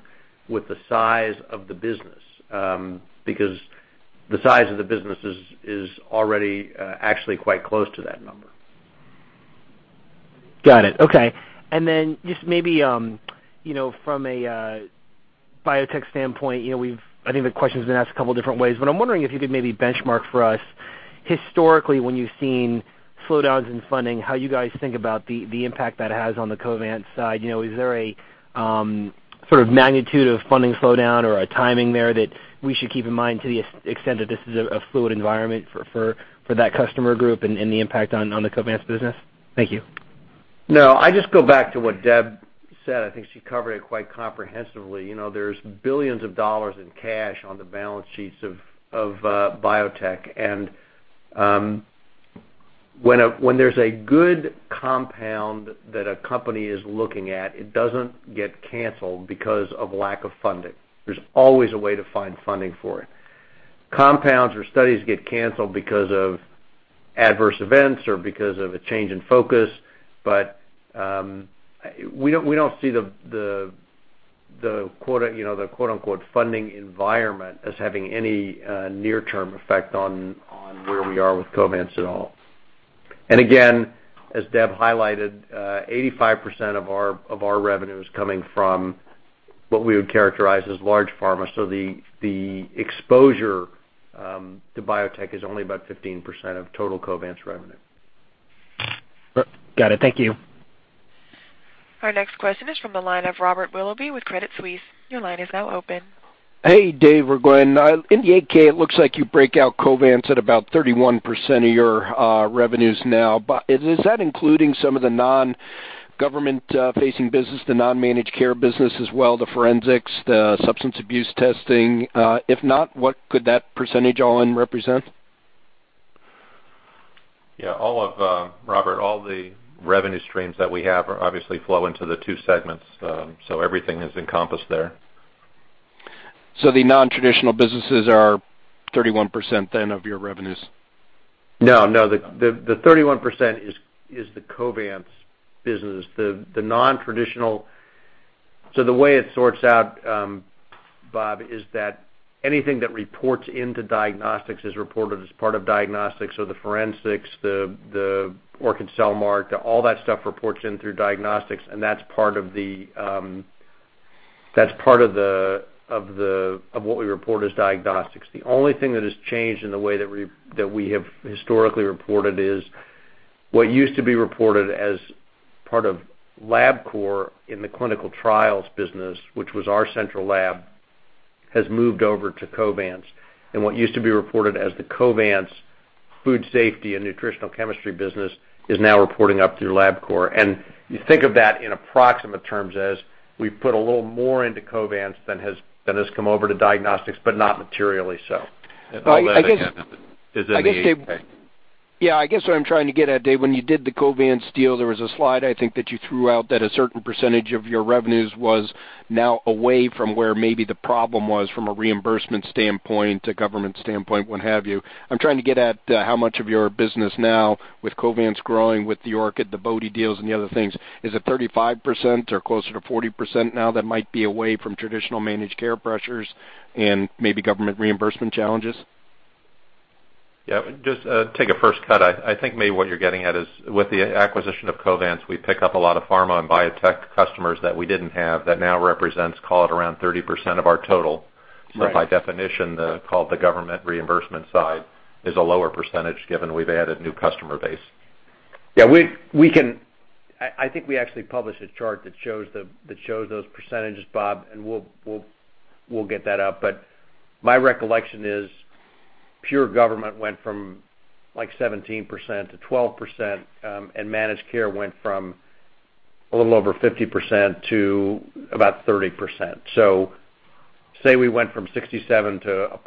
with the size of the business because the size of the business is already actually quite close to that number. Got it. Okay. Just maybe from a biotech standpoint, I think the question's been asked a couple of different ways. I'm wondering if you could maybe benchmark for us, historically, when you've seen slowdowns in funding, how you guys think about the impact that has on the Covance side. Is there a sort of magnitude of funding slowdown or a timing there that we should keep in mind to the extent that this is a fluid environment for that customer group and the impact on the Covance business? Thank you. No, I just go back to what Deb said. I think she covered it quite comprehensively. There's billions of dollars in cash on the balance sheets of biotech. When there's a good compound that a company is looking at, it doesn't get canceled because of lack of funding. There's always a way to find funding for it. Compounds or studies get canceled because of adverse events or because of a change in focus. We do not see the quote-unquote "funding environment" as having any near-term effect on where we are with Covance at all. Again, as Deb highlighted, 85% of our revenue is coming from what we would characterize as large pharma. The exposure to biotech is only about 15% of total Covance revenue. Got it. Thank you. Our next question is from a line of Robert Willoughby with Credit Suisse. Your line is now open. Hey, Dave or Glenn. In the 8K, it looks like you break out Covance at about 31% of your revenues now. Is that including some of the non-government-facing business, the non-managed care business as well, the forensics, the substance abuse testing? If not, what could that percentage all represent? Yeah. Robert, all the revenue streams that we have obviously flow into the two segments. Everything is encompassed there. The non-traditional businesses are 31% then of your revenues? No. No, the 31% is the Covance business. The non-traditional, the way it sorts out, Bob, is that anything that reports into diagnostics is reported as part of diagnostics. The forensics, the Orchid Cellmark, all that stuff reports in through diagnostics. That is part of what we report as diagnostics. The only thing that has changed in the way that we have historically reported is what used to be reported as part of LabCorp in the clinical trials business, which was our central lab, has moved over to Covance. What used to be reported as the Covance food safety and nutritional chemistry business is now reporting up through LabCorp. You think of that in approximate terms as we've put a little more into Covance than has come over to diagnostics, but not materially so. Is that a yes? Yeah. I guess what I'm trying to get at, Dave, when you did the Covance deal, there was a slide I think that you threw out that a certain percentage of your revenues was now away from where maybe the problem was from a reimbursement standpoint, a government standpoint, what have you. I'm trying to get at how much of your business now, with Covance growing, with the Orchid, the Bode deals, and the other things, is it 35% or closer to 40% now that might be away from traditional managed care pressures and maybe government reimbursement challenges? Yeah. Just take a first cut. I think maybe what you're getting at is with the acquisition of Covance, we pick up a lot of pharma and biotech customers that we didn't have that now represents, call it, around 30% of our total. So by definition, the government reimbursement side is a lower percentage given we've added new customer base. Yeah. I think we actually published a chart that shows those percentages, Bob, and we'll get that up. But my recollection is pure government went from like 17% to 12%, and managed care went from a little over 50% to about 30%. So say we went from approximately 67% to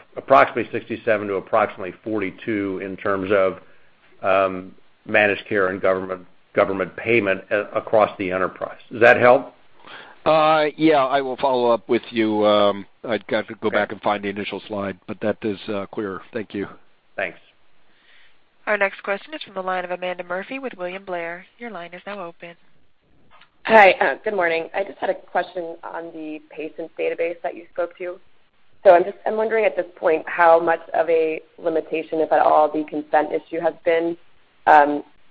approximately 42% in terms of managed care and government payment across the enterprise. Does that help? Yeah. I will follow up with you. I'd have to go back and find the initial slide, but that is clear. Thank you. Thanks. Our next question is from a line of Amanda Murphy with William Blair. Your line is now open. Hi. Good morning. I just had a question on the patient database that you spoke to. I am wondering at this point how much of a limitation, if at all, the consent issue has been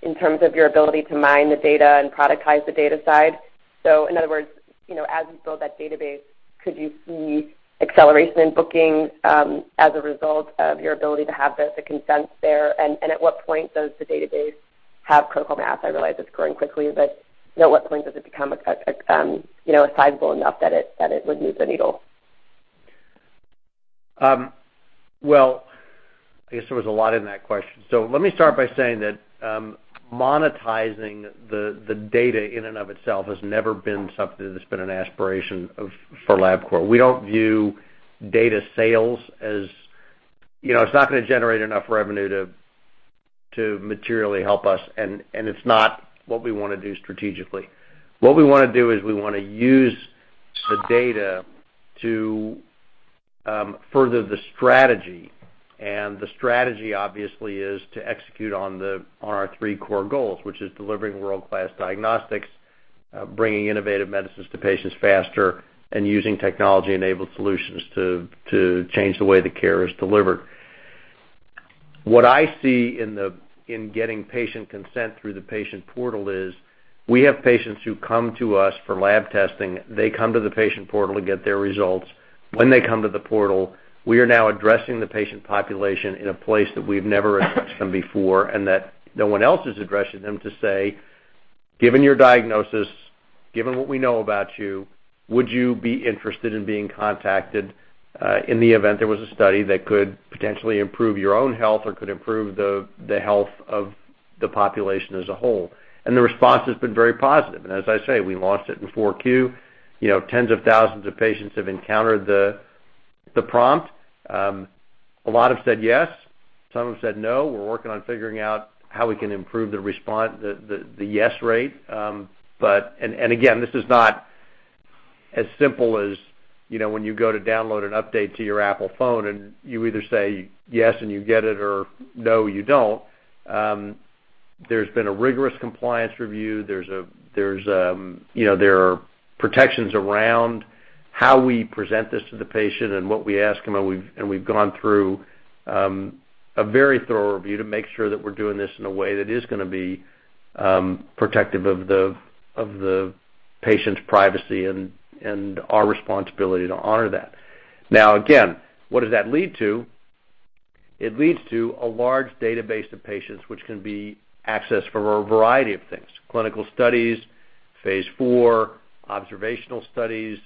in terms of your ability to mine the data and productize the data side. In other words, as you build that database, could you see acceleration in booking as a result of your ability to have the consent there? At what point does the database have critical mass? I realize it is growing quickly, but at what point does it become sizable enough that it would move the needle? I guess there was a lot in that question. Let me start by saying that monetizing the data in and of itself has never been something that's been an aspiration for LabCorp. We don't view data sales as it's not going to generate enough revenue to materially help us, and it's not what we want to do strategically. What we want to do is we want to use the data to further the strategy. The strategy, obviously, is to execute on our three core goals, which is delivering world-class diagnostics, bringing innovative medicines to patients faster, and using technology-enabled solutions to change the way the care is delivered. What I see in getting patient consent through the patient portal is we have patients who come to us for lab testing. They come to the patient portal to get their results. When they come to the portal, we are now addressing the patient population in a place that we've never addressed them before and that no one else is addressing them to say, "Given your diagnosis, given what we know about you, would you be interested in being contacted in the event there was a study that could potentially improve your own health or could improve the health of the population as a whole?" The response has been very positive. As I say, we launched it in 4Q. Tens of thousands of patients have encountered the prompt. A lot have said yes. Some have said no. We're working on figuring out how we can improve the yes rate. This is not as simple as when you go to download an update to your Apple phone and you either say yes and you get it or no, you do not. There has been a rigorous compliance review. There are protections around how we present this to the patient and what we ask them. We have gone through a very thorough review to make sure that we are doing this in a way that is going to be protective of the patient's privacy and our responsibility to honor that. Now, what does that lead to? It leads to a large database of patients, which can be accessed for a variety of things: clinical studies, phase four, observational studies,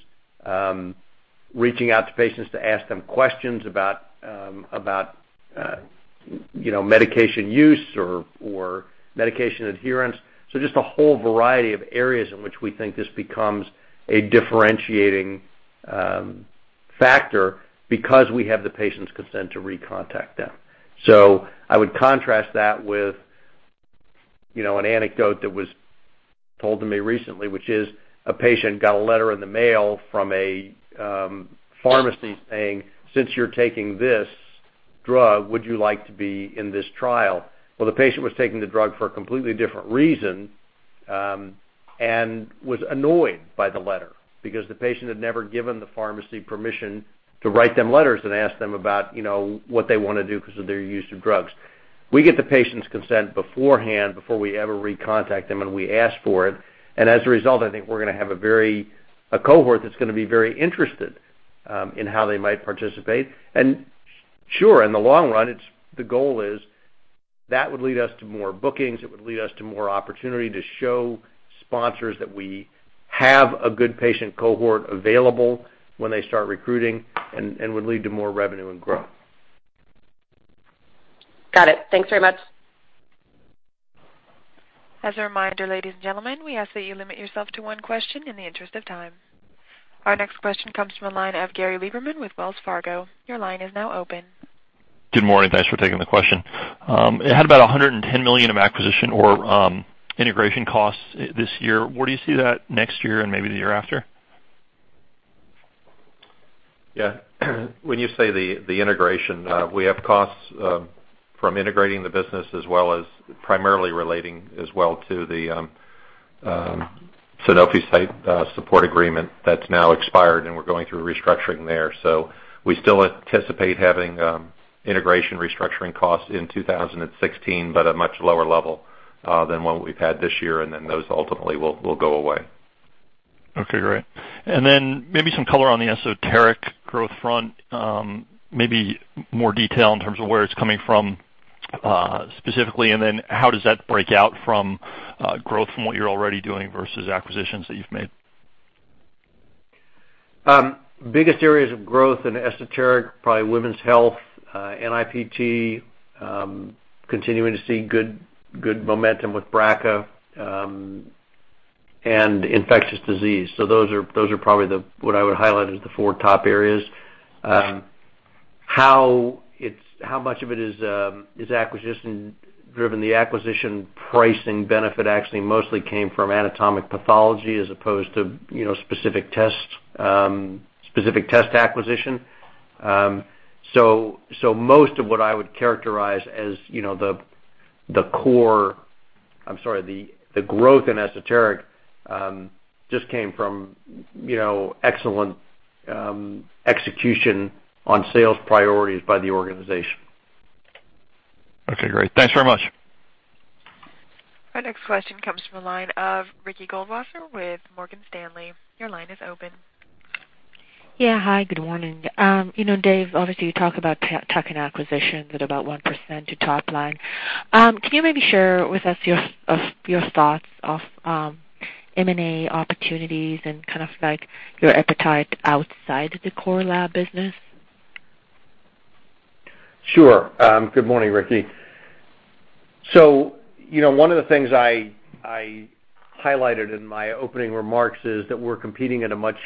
reaching out to patients to ask them questions about medication use or medication adherence. Just a whole variety of areas in which we think this becomes a differentiating factor because we have the patient's consent to recontact them. I would contrast that with an anecdote that was told to me recently, which is a patient got a letter in the mail from a pharmacy saying, "Since you're taking this drug, would you like to be in this trial?" The patient was taking the drug for a completely different reason and was annoyed by the letter because the patient had never given the pharmacy permission to write them letters and ask them about what they want to do because of their use of drugs. We get the patient's consent beforehand, before we ever recontact them, and we ask for it. As a result, I think we're going to have a cohort that's going to be very interested in how they might participate. In the long run, the goal is that would lead us to more bookings. It would lead us to more opportunity to show sponsors that we have a good patient cohort available when they start recruiting and would lead to more revenue and growth. Got it. Thanks very much. As a reminder, ladies and gentlemen, we ask that you limit yourself to one question in the interest of time. Our next question comes from a line of Gary Lieberman with Wells Fargo. Your line is now open. Good morning. Thanks for taking the question. It had about $110 million of acquisition or integration costs this year. Where do you see that next year and maybe the year after? Yeah. When you say the integration, we have costs from integrating the business as well as primarily relating as well to the Sanofi site support agreement that's now expired, and we're going through restructuring there. We still anticipate having integration restructuring costs in 2016, but at a much lower level than what we've had this year. Those ultimately will go away. Okay. Great. Maybe some color on the esoteric growth front, maybe more detail in terms of where it's coming from specifically. How does that break out from growth from what you're already doing versus acquisitions that you've made? Biggest areas of growth in esoteric, probably women's health, NIPT, continuing to see good momentum with BRCA, and infectious disease. Those are probably what I would highlight as the four top areas. How much of it is acquisition-driven? The acquisition pricing benefit actually mostly came from anatomic pathology as opposed to specific test acquisition. So most of what I would characterize as the core—I'm sorry, the growth in esoteric just came from excellent execution on sales priorities by the organization. Okay. Great. Thanks very much. Our next question comes from a line of Ricky Goldwasser with Morgan Stanley. Your line is open. Yeah. Hi. Good morning. Dave, obviously, you talk about token acquisitions at about 1% to top line. Can you maybe share with us your thoughts of M&A opportunities and kind of your appetite outside of the core lab business? Sure. Good morning, Ricky. So one of the things I highlighted in my opening remarks is that we're competing in a much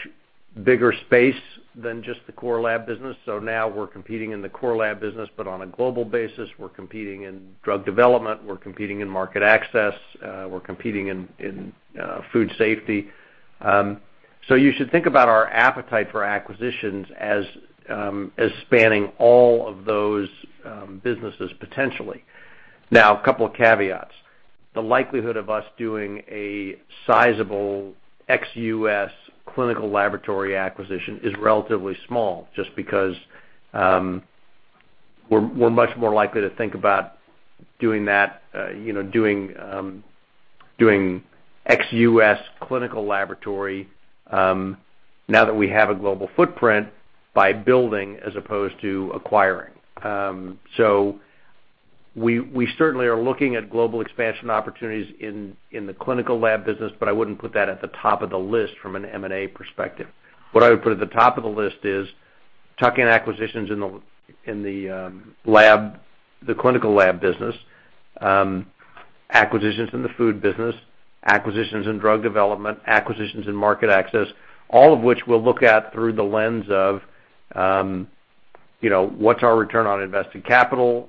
bigger space than just the core lab business. Now we're competing in the core lab business, but on a global basis, we're competing in drug development. We're competing in market access. We're competing in food safety. You should think about our appetite for acquisitions as spanning all of those businesses potentially. Now, a couple of caveats. The likelihood of us doing a sizable ex-U.S. clinical laboratory acquisition is relatively small just because we're much more likely to think about doing that, doing ex-U.S. clinical laboratory now that we have a global footprint by building as opposed to acquiring. We certainly are looking at global expansion opportunities in the clinical lab business, but I wouldn't put that at the top of the list from an M&A perspective. What I would put at the top of the list is token acquisitions in the clinical lab business, acquisitions in the food business, acquisitions in drug development, acquisitions in market access, all of which we will look at through the lens of what is our return on invested capital,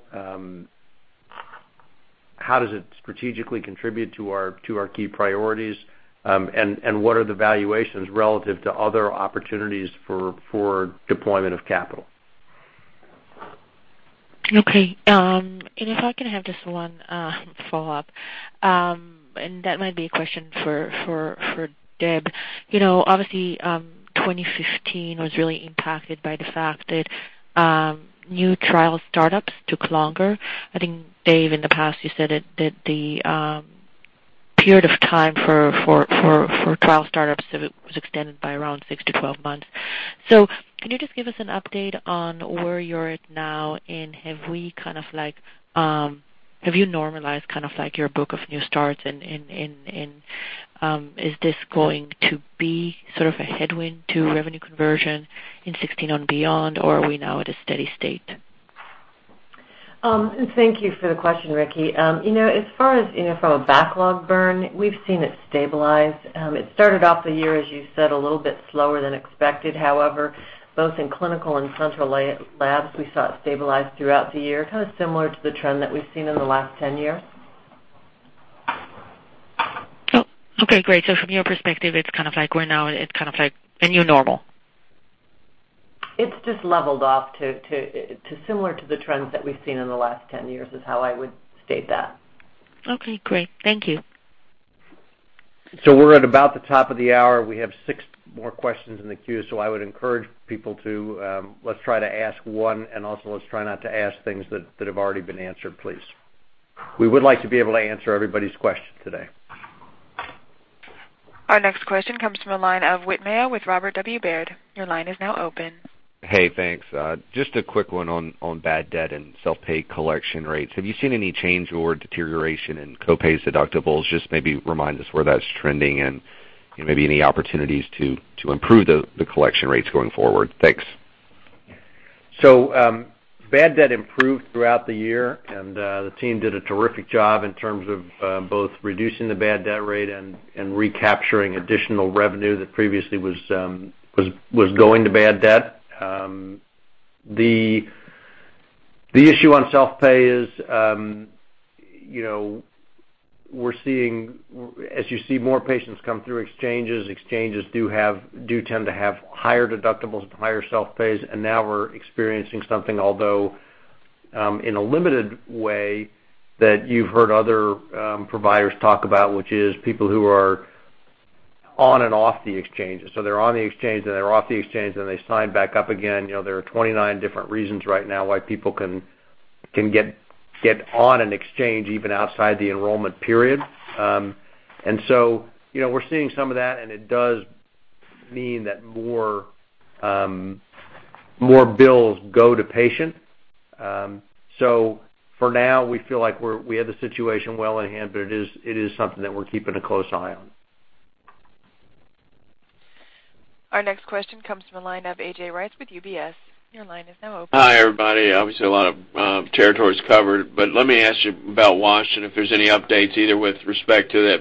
how does it strategically contribute to our key priorities, and what are the valuations relative to other opportunities for deployment of capital. Okay. If I can have just one follow-up, and that might be a question for Deb. Obviously, 2015 was really impacted by the fact that new trial startups took longer. I think, Dave, in the past, you said that the period of time for trial startups was extended by around 6-12 months. Can you just give us an update on where you're at now, and have we kind of have you normalized kind of your book of new starts, and is this going to be sort of a headwind to revenue conversion in 2016 and beyond, or are we now at a steady state? Thank you for the question, Ricky. As far as from a backlog burn, we've seen it stabilize. It started off the year, as you said, a little bit slower than expected. However, both in clinical and central labs, we saw it stabilize throughout the year, kind of similar to the trend that we've seen in the last 10 years. Okay. Great. From your perspective, it's kind of like we're now at kind of a new normal. It's just leveled off to similar to the trends that we've seen in the last 10 years is how I would state that. Okay. Great. Thank you. We are at about the top of the hour. We have six more questions in the queue, so I would encourage people to let's try to ask one, and also let's try not to ask things that have already been answered, please. We would like to be able to answer everybody's questions today. Our next question comes from a line of Whit Mayo with Robert W. Baird. Your line is now open. Hey, thanks. Just a quick one on bad debt and self-pay collection rates. Have you seen any change or deterioration in copays deductibles? Just maybe remind us where that's trending and maybe any opportunities to improve the collection rates going forward. Thanks. Bad debt improved throughout the year, and the team did a terrific job in terms of both reducing the bad debt rate and recapturing additional revenue that previously was going to bad debt. The issue on self-pay is we're seeing, as you see more patients come through exchanges, exchanges do tend to have higher deductibles and higher self-pays. Now we're experiencing something, although in a limited way, that you've heard other providers talk about, which is people who are on and off the exchanges. They're on the exchange, then they're off the exchange, then they sign back up again. There are 29 different reasons right now why people can get on an exchange even outside the enrollment period. We're seeing some of that, and it does mean that more bills go to patient. For now, we feel like we have the situation well in hand, but it is something that we're keeping a close eye on. Our next question comes from a line of AJ Rice with UBS. Your line is now open. Hi, everybody. Obviously, a lot of territory is covered, but let me ask you about Washington, if there's any updates either with respect to the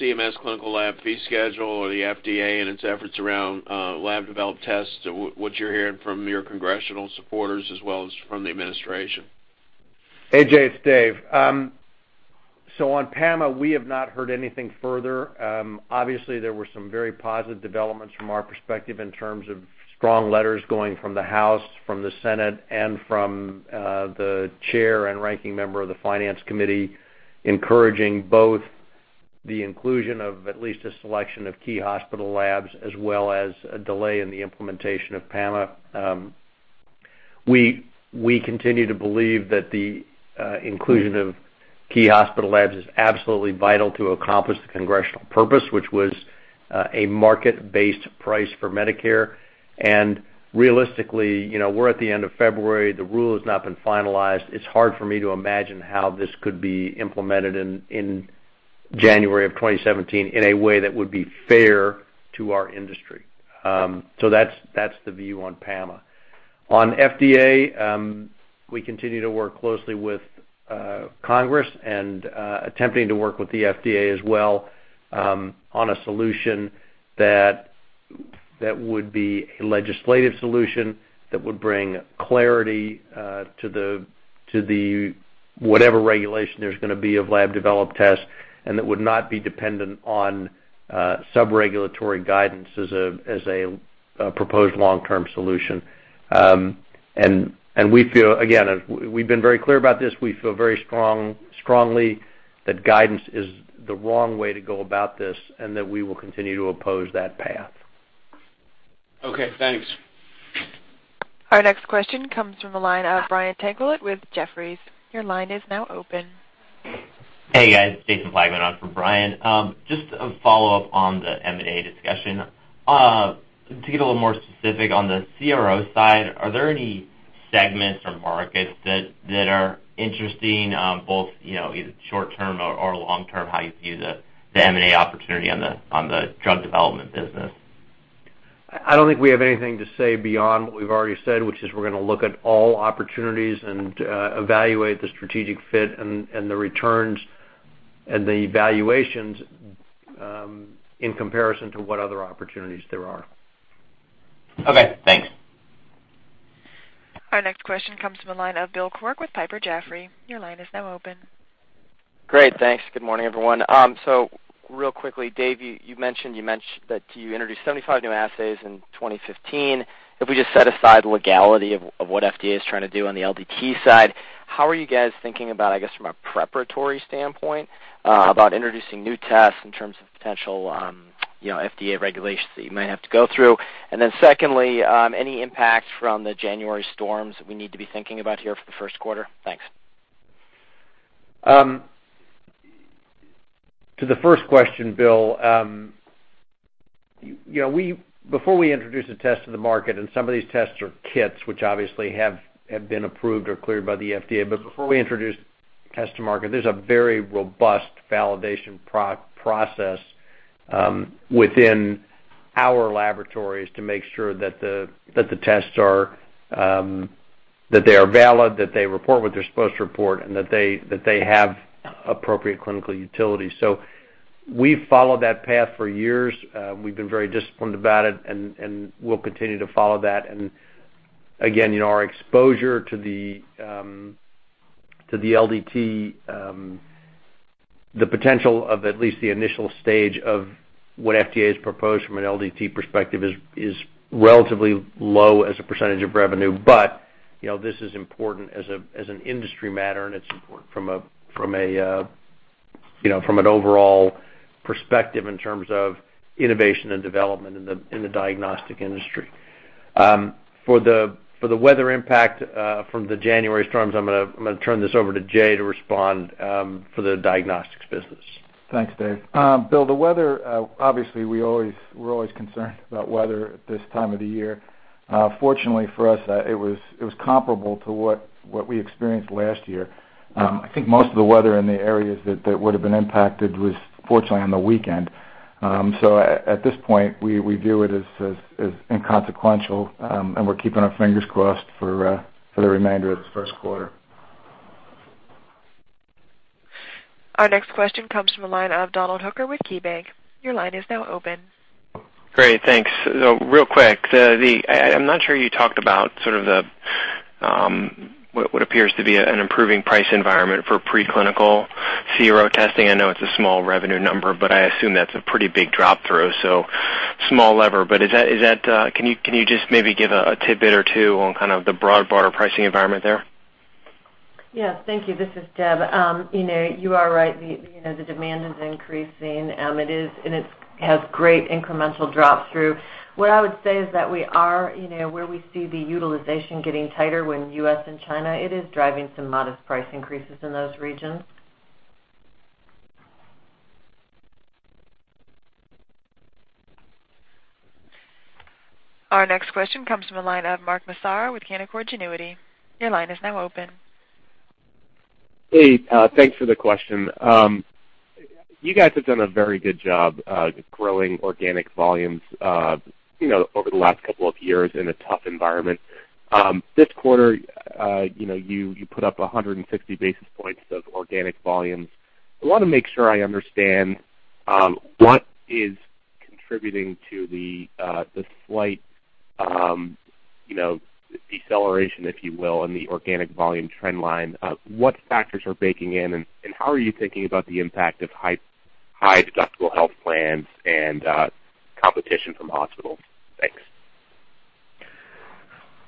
CMS clinical lab fee schedule or the FDA and its efforts around lab-developed tests, what you're hearing from your congressional supporters as well as from the administration. AJ, it's Dave. On PAMA, we have not heard anything further. Obviously, there were some very positive developments from our perspective in terms of strong letters going from the House, from the Senate, and from the chair and ranking member of the Finance Committee encouraging both the inclusion of at least a selection of key hospital labs as well as a delay in the implementation of PAMA. We continue to believe that the inclusion of key hospital labs is absolutely vital to accomplish the congressional purpose, which was a market-based price for Medicare. Realistically, we're at the end of February. The rule has not been finalized. It's hard for me to imagine how this could be implemented in January of 2017 in a way that would be fair to our industry. That's the view on PAMA. On FDA, we continue to work closely with Congress and attempting to work with the FDA as well on a solution that would be a legislative solution that would bring clarity to whatever regulation there's going to be of lab-developed tests and that would not be dependent on subregulatory guidance as a proposed long-term solution. We feel, again, we've been very clear about this. We feel very strongly that guidance is the wrong way to go about this and that we will continue to oppose that path. Okay. Thanks. Our next question comes from a line of Brian Tanquilut with Jefferies. Your line is now open. Hey, guys. Jason Plagman on for Brian. Just a follow-up on the M&A discussion. To get a little more specific on the CRO side, are there any segments or markets that are interesting, both either short-term or long-term, how you view the M&A opportunity on the drug development business? I do not think we have anything to say beyond what we have already said, which is we are going to look at all opportunities and evaluate the strategic fit and the returns and the evaluations in comparison to what other opportunities there are. Okay. Thanks. Our next question comes from a line of Bill Quirk with Piper Jaffray. Your line is now open. Great. Thanks. Good morning, everyone. Real quickly, Dave, you mentioned that you introduced 75 new assays in 2015. If we just set aside the legality of what FDA is trying to do on the LDT side, how are you guys thinking about, I guess, from a preparatory standpoint, about introducing new tests in terms of potential FDA regulations that you might have to go through? Secondly, any impact from the January storms that we need to be thinking about here for the first quarter? Thanks. To the first question, Bill, before we introduce a test to the market, and some of these tests are kits, which obviously have been approved or cleared by the FDA, but before we introduce tests to market, there is a very robust validation process within our laboratories to make sure that the tests are valid, that they report what they are supposed to report, and that they have appropriate clinical utility. We have followed that path for years. We've been very disciplined about it, and we'll continue to follow that. Again, our exposure to the LDT, the potential of at least the initial stage of what FDA has proposed from an LDT perspective is relatively low as a percentage of revenue. This is important as an industry matter, and it's important from an overall perspective in terms of innovation and development in the diagnostic industry. For the weather impact from the January storms, I'm going to turn this over to Jay to respond for the diagnostics business. Thanks, Dave. Bill, the weather, obviously, we're always concerned about weather at this time of the year. Fortunately for us, it was comparable to what we experienced last year. I think most of the weather in the areas that would have been impacted was, fortunately, on the weekend. At this point, we view it as inconsequential, and we're keeping our fingers crossed for the remainder of the first quarter. Our next question comes from a line of Donald Hooker with KeyBanc. Your line is now open. Great. Thanks. Real quick, I'm not sure you talked about sort of what appears to be an improving price environment for preclinical CRO testing. I know it's a small revenue number, but I assume that's a pretty big drop-through, so small lever. Can you just maybe give a tidbit or two on kind of the broad barter pricing environment there? Yes. Thank you. This is Deb. You are right. The demand is increasing, and it has great incremental drop-through. What I would say is that where we see the utilization getting tighter, when U.S. and China, it is driving some modest price increases in those regions. Our next question comes from a line of Mark Massaro with Canaccord Genuity. Your line is now open. Hey, thanks for the question. You guys have done a very good job growing organic volumes over the last couple of years in a tough environment. This quarter, you put up 150 basis points of organic volumes. I want to make sure I understand what is contributing to the slight deceleration, if you will, in the organic volume trend line. What factors are baking in, and how are you thinking about the impact of high deductible health plans and competition from hospitals? Thanks.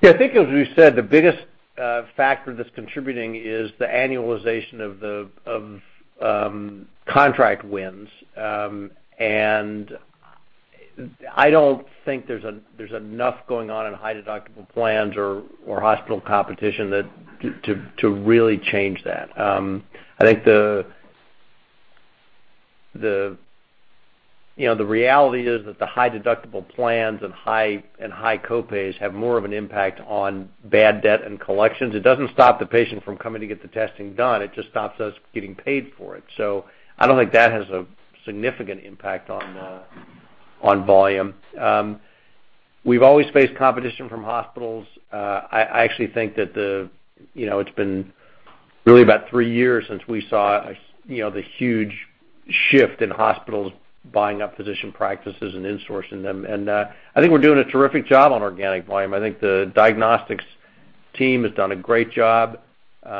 Yeah. I think, as we said, the biggest factor that's contributing is the annualization of contract wins. I don't think there's enough going on in high deductible plans or hospital competition to really change that. I think the reality is that the high deductible plans and high copays have more of an impact on bad debt and collections. It does not stop the patient from coming to get the testing done. It just stops us getting paid for it. I do not think that has a significant impact on volume. We have always faced competition from hospitals. I actually think that it has been really about three years since we saw the huge shift in hospitals buying up physician practices and insourcing them. I think we are doing a terrific job on organic volume. I think the diagnostics team has done a great job. We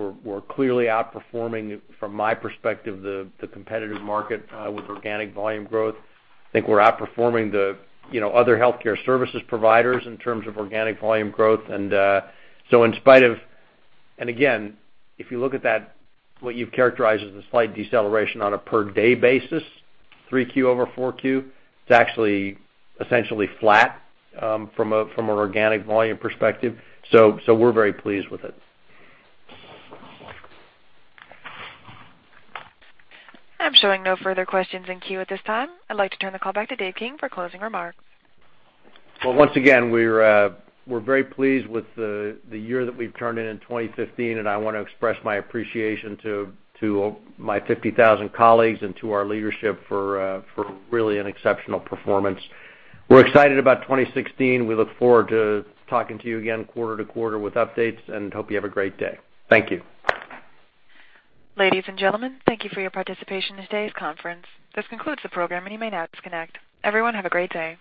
are clearly outperforming, from my perspective, the competitive market with organic volume growth. I think we are outperforming the other healthcare services providers in terms of organic volume growth. In spite of and again, if you look at that, what you've characterized as a slight deceleration on a per-day basis, 3Q over 4Q, it's actually essentially flat from an organic volume perspective. We're very pleased with it. I'm showing no further questions in queue at this time. I'd like to turn the call back to Dave King for closing remarks. Once again, we're very pleased with the year that we've turned in in 2015, and I want to express my appreciation to my 50,000 colleagues and to our leadership for really an exceptional performance. We're excited about 2016. We look forward to talking to you again quarter to quarter with updates and hope you have a great day. Thank you. Ladies and gentlemen, thank you for your participation in today's conference. This concludes the program, and you may now disconnect. Everyone, have a great day.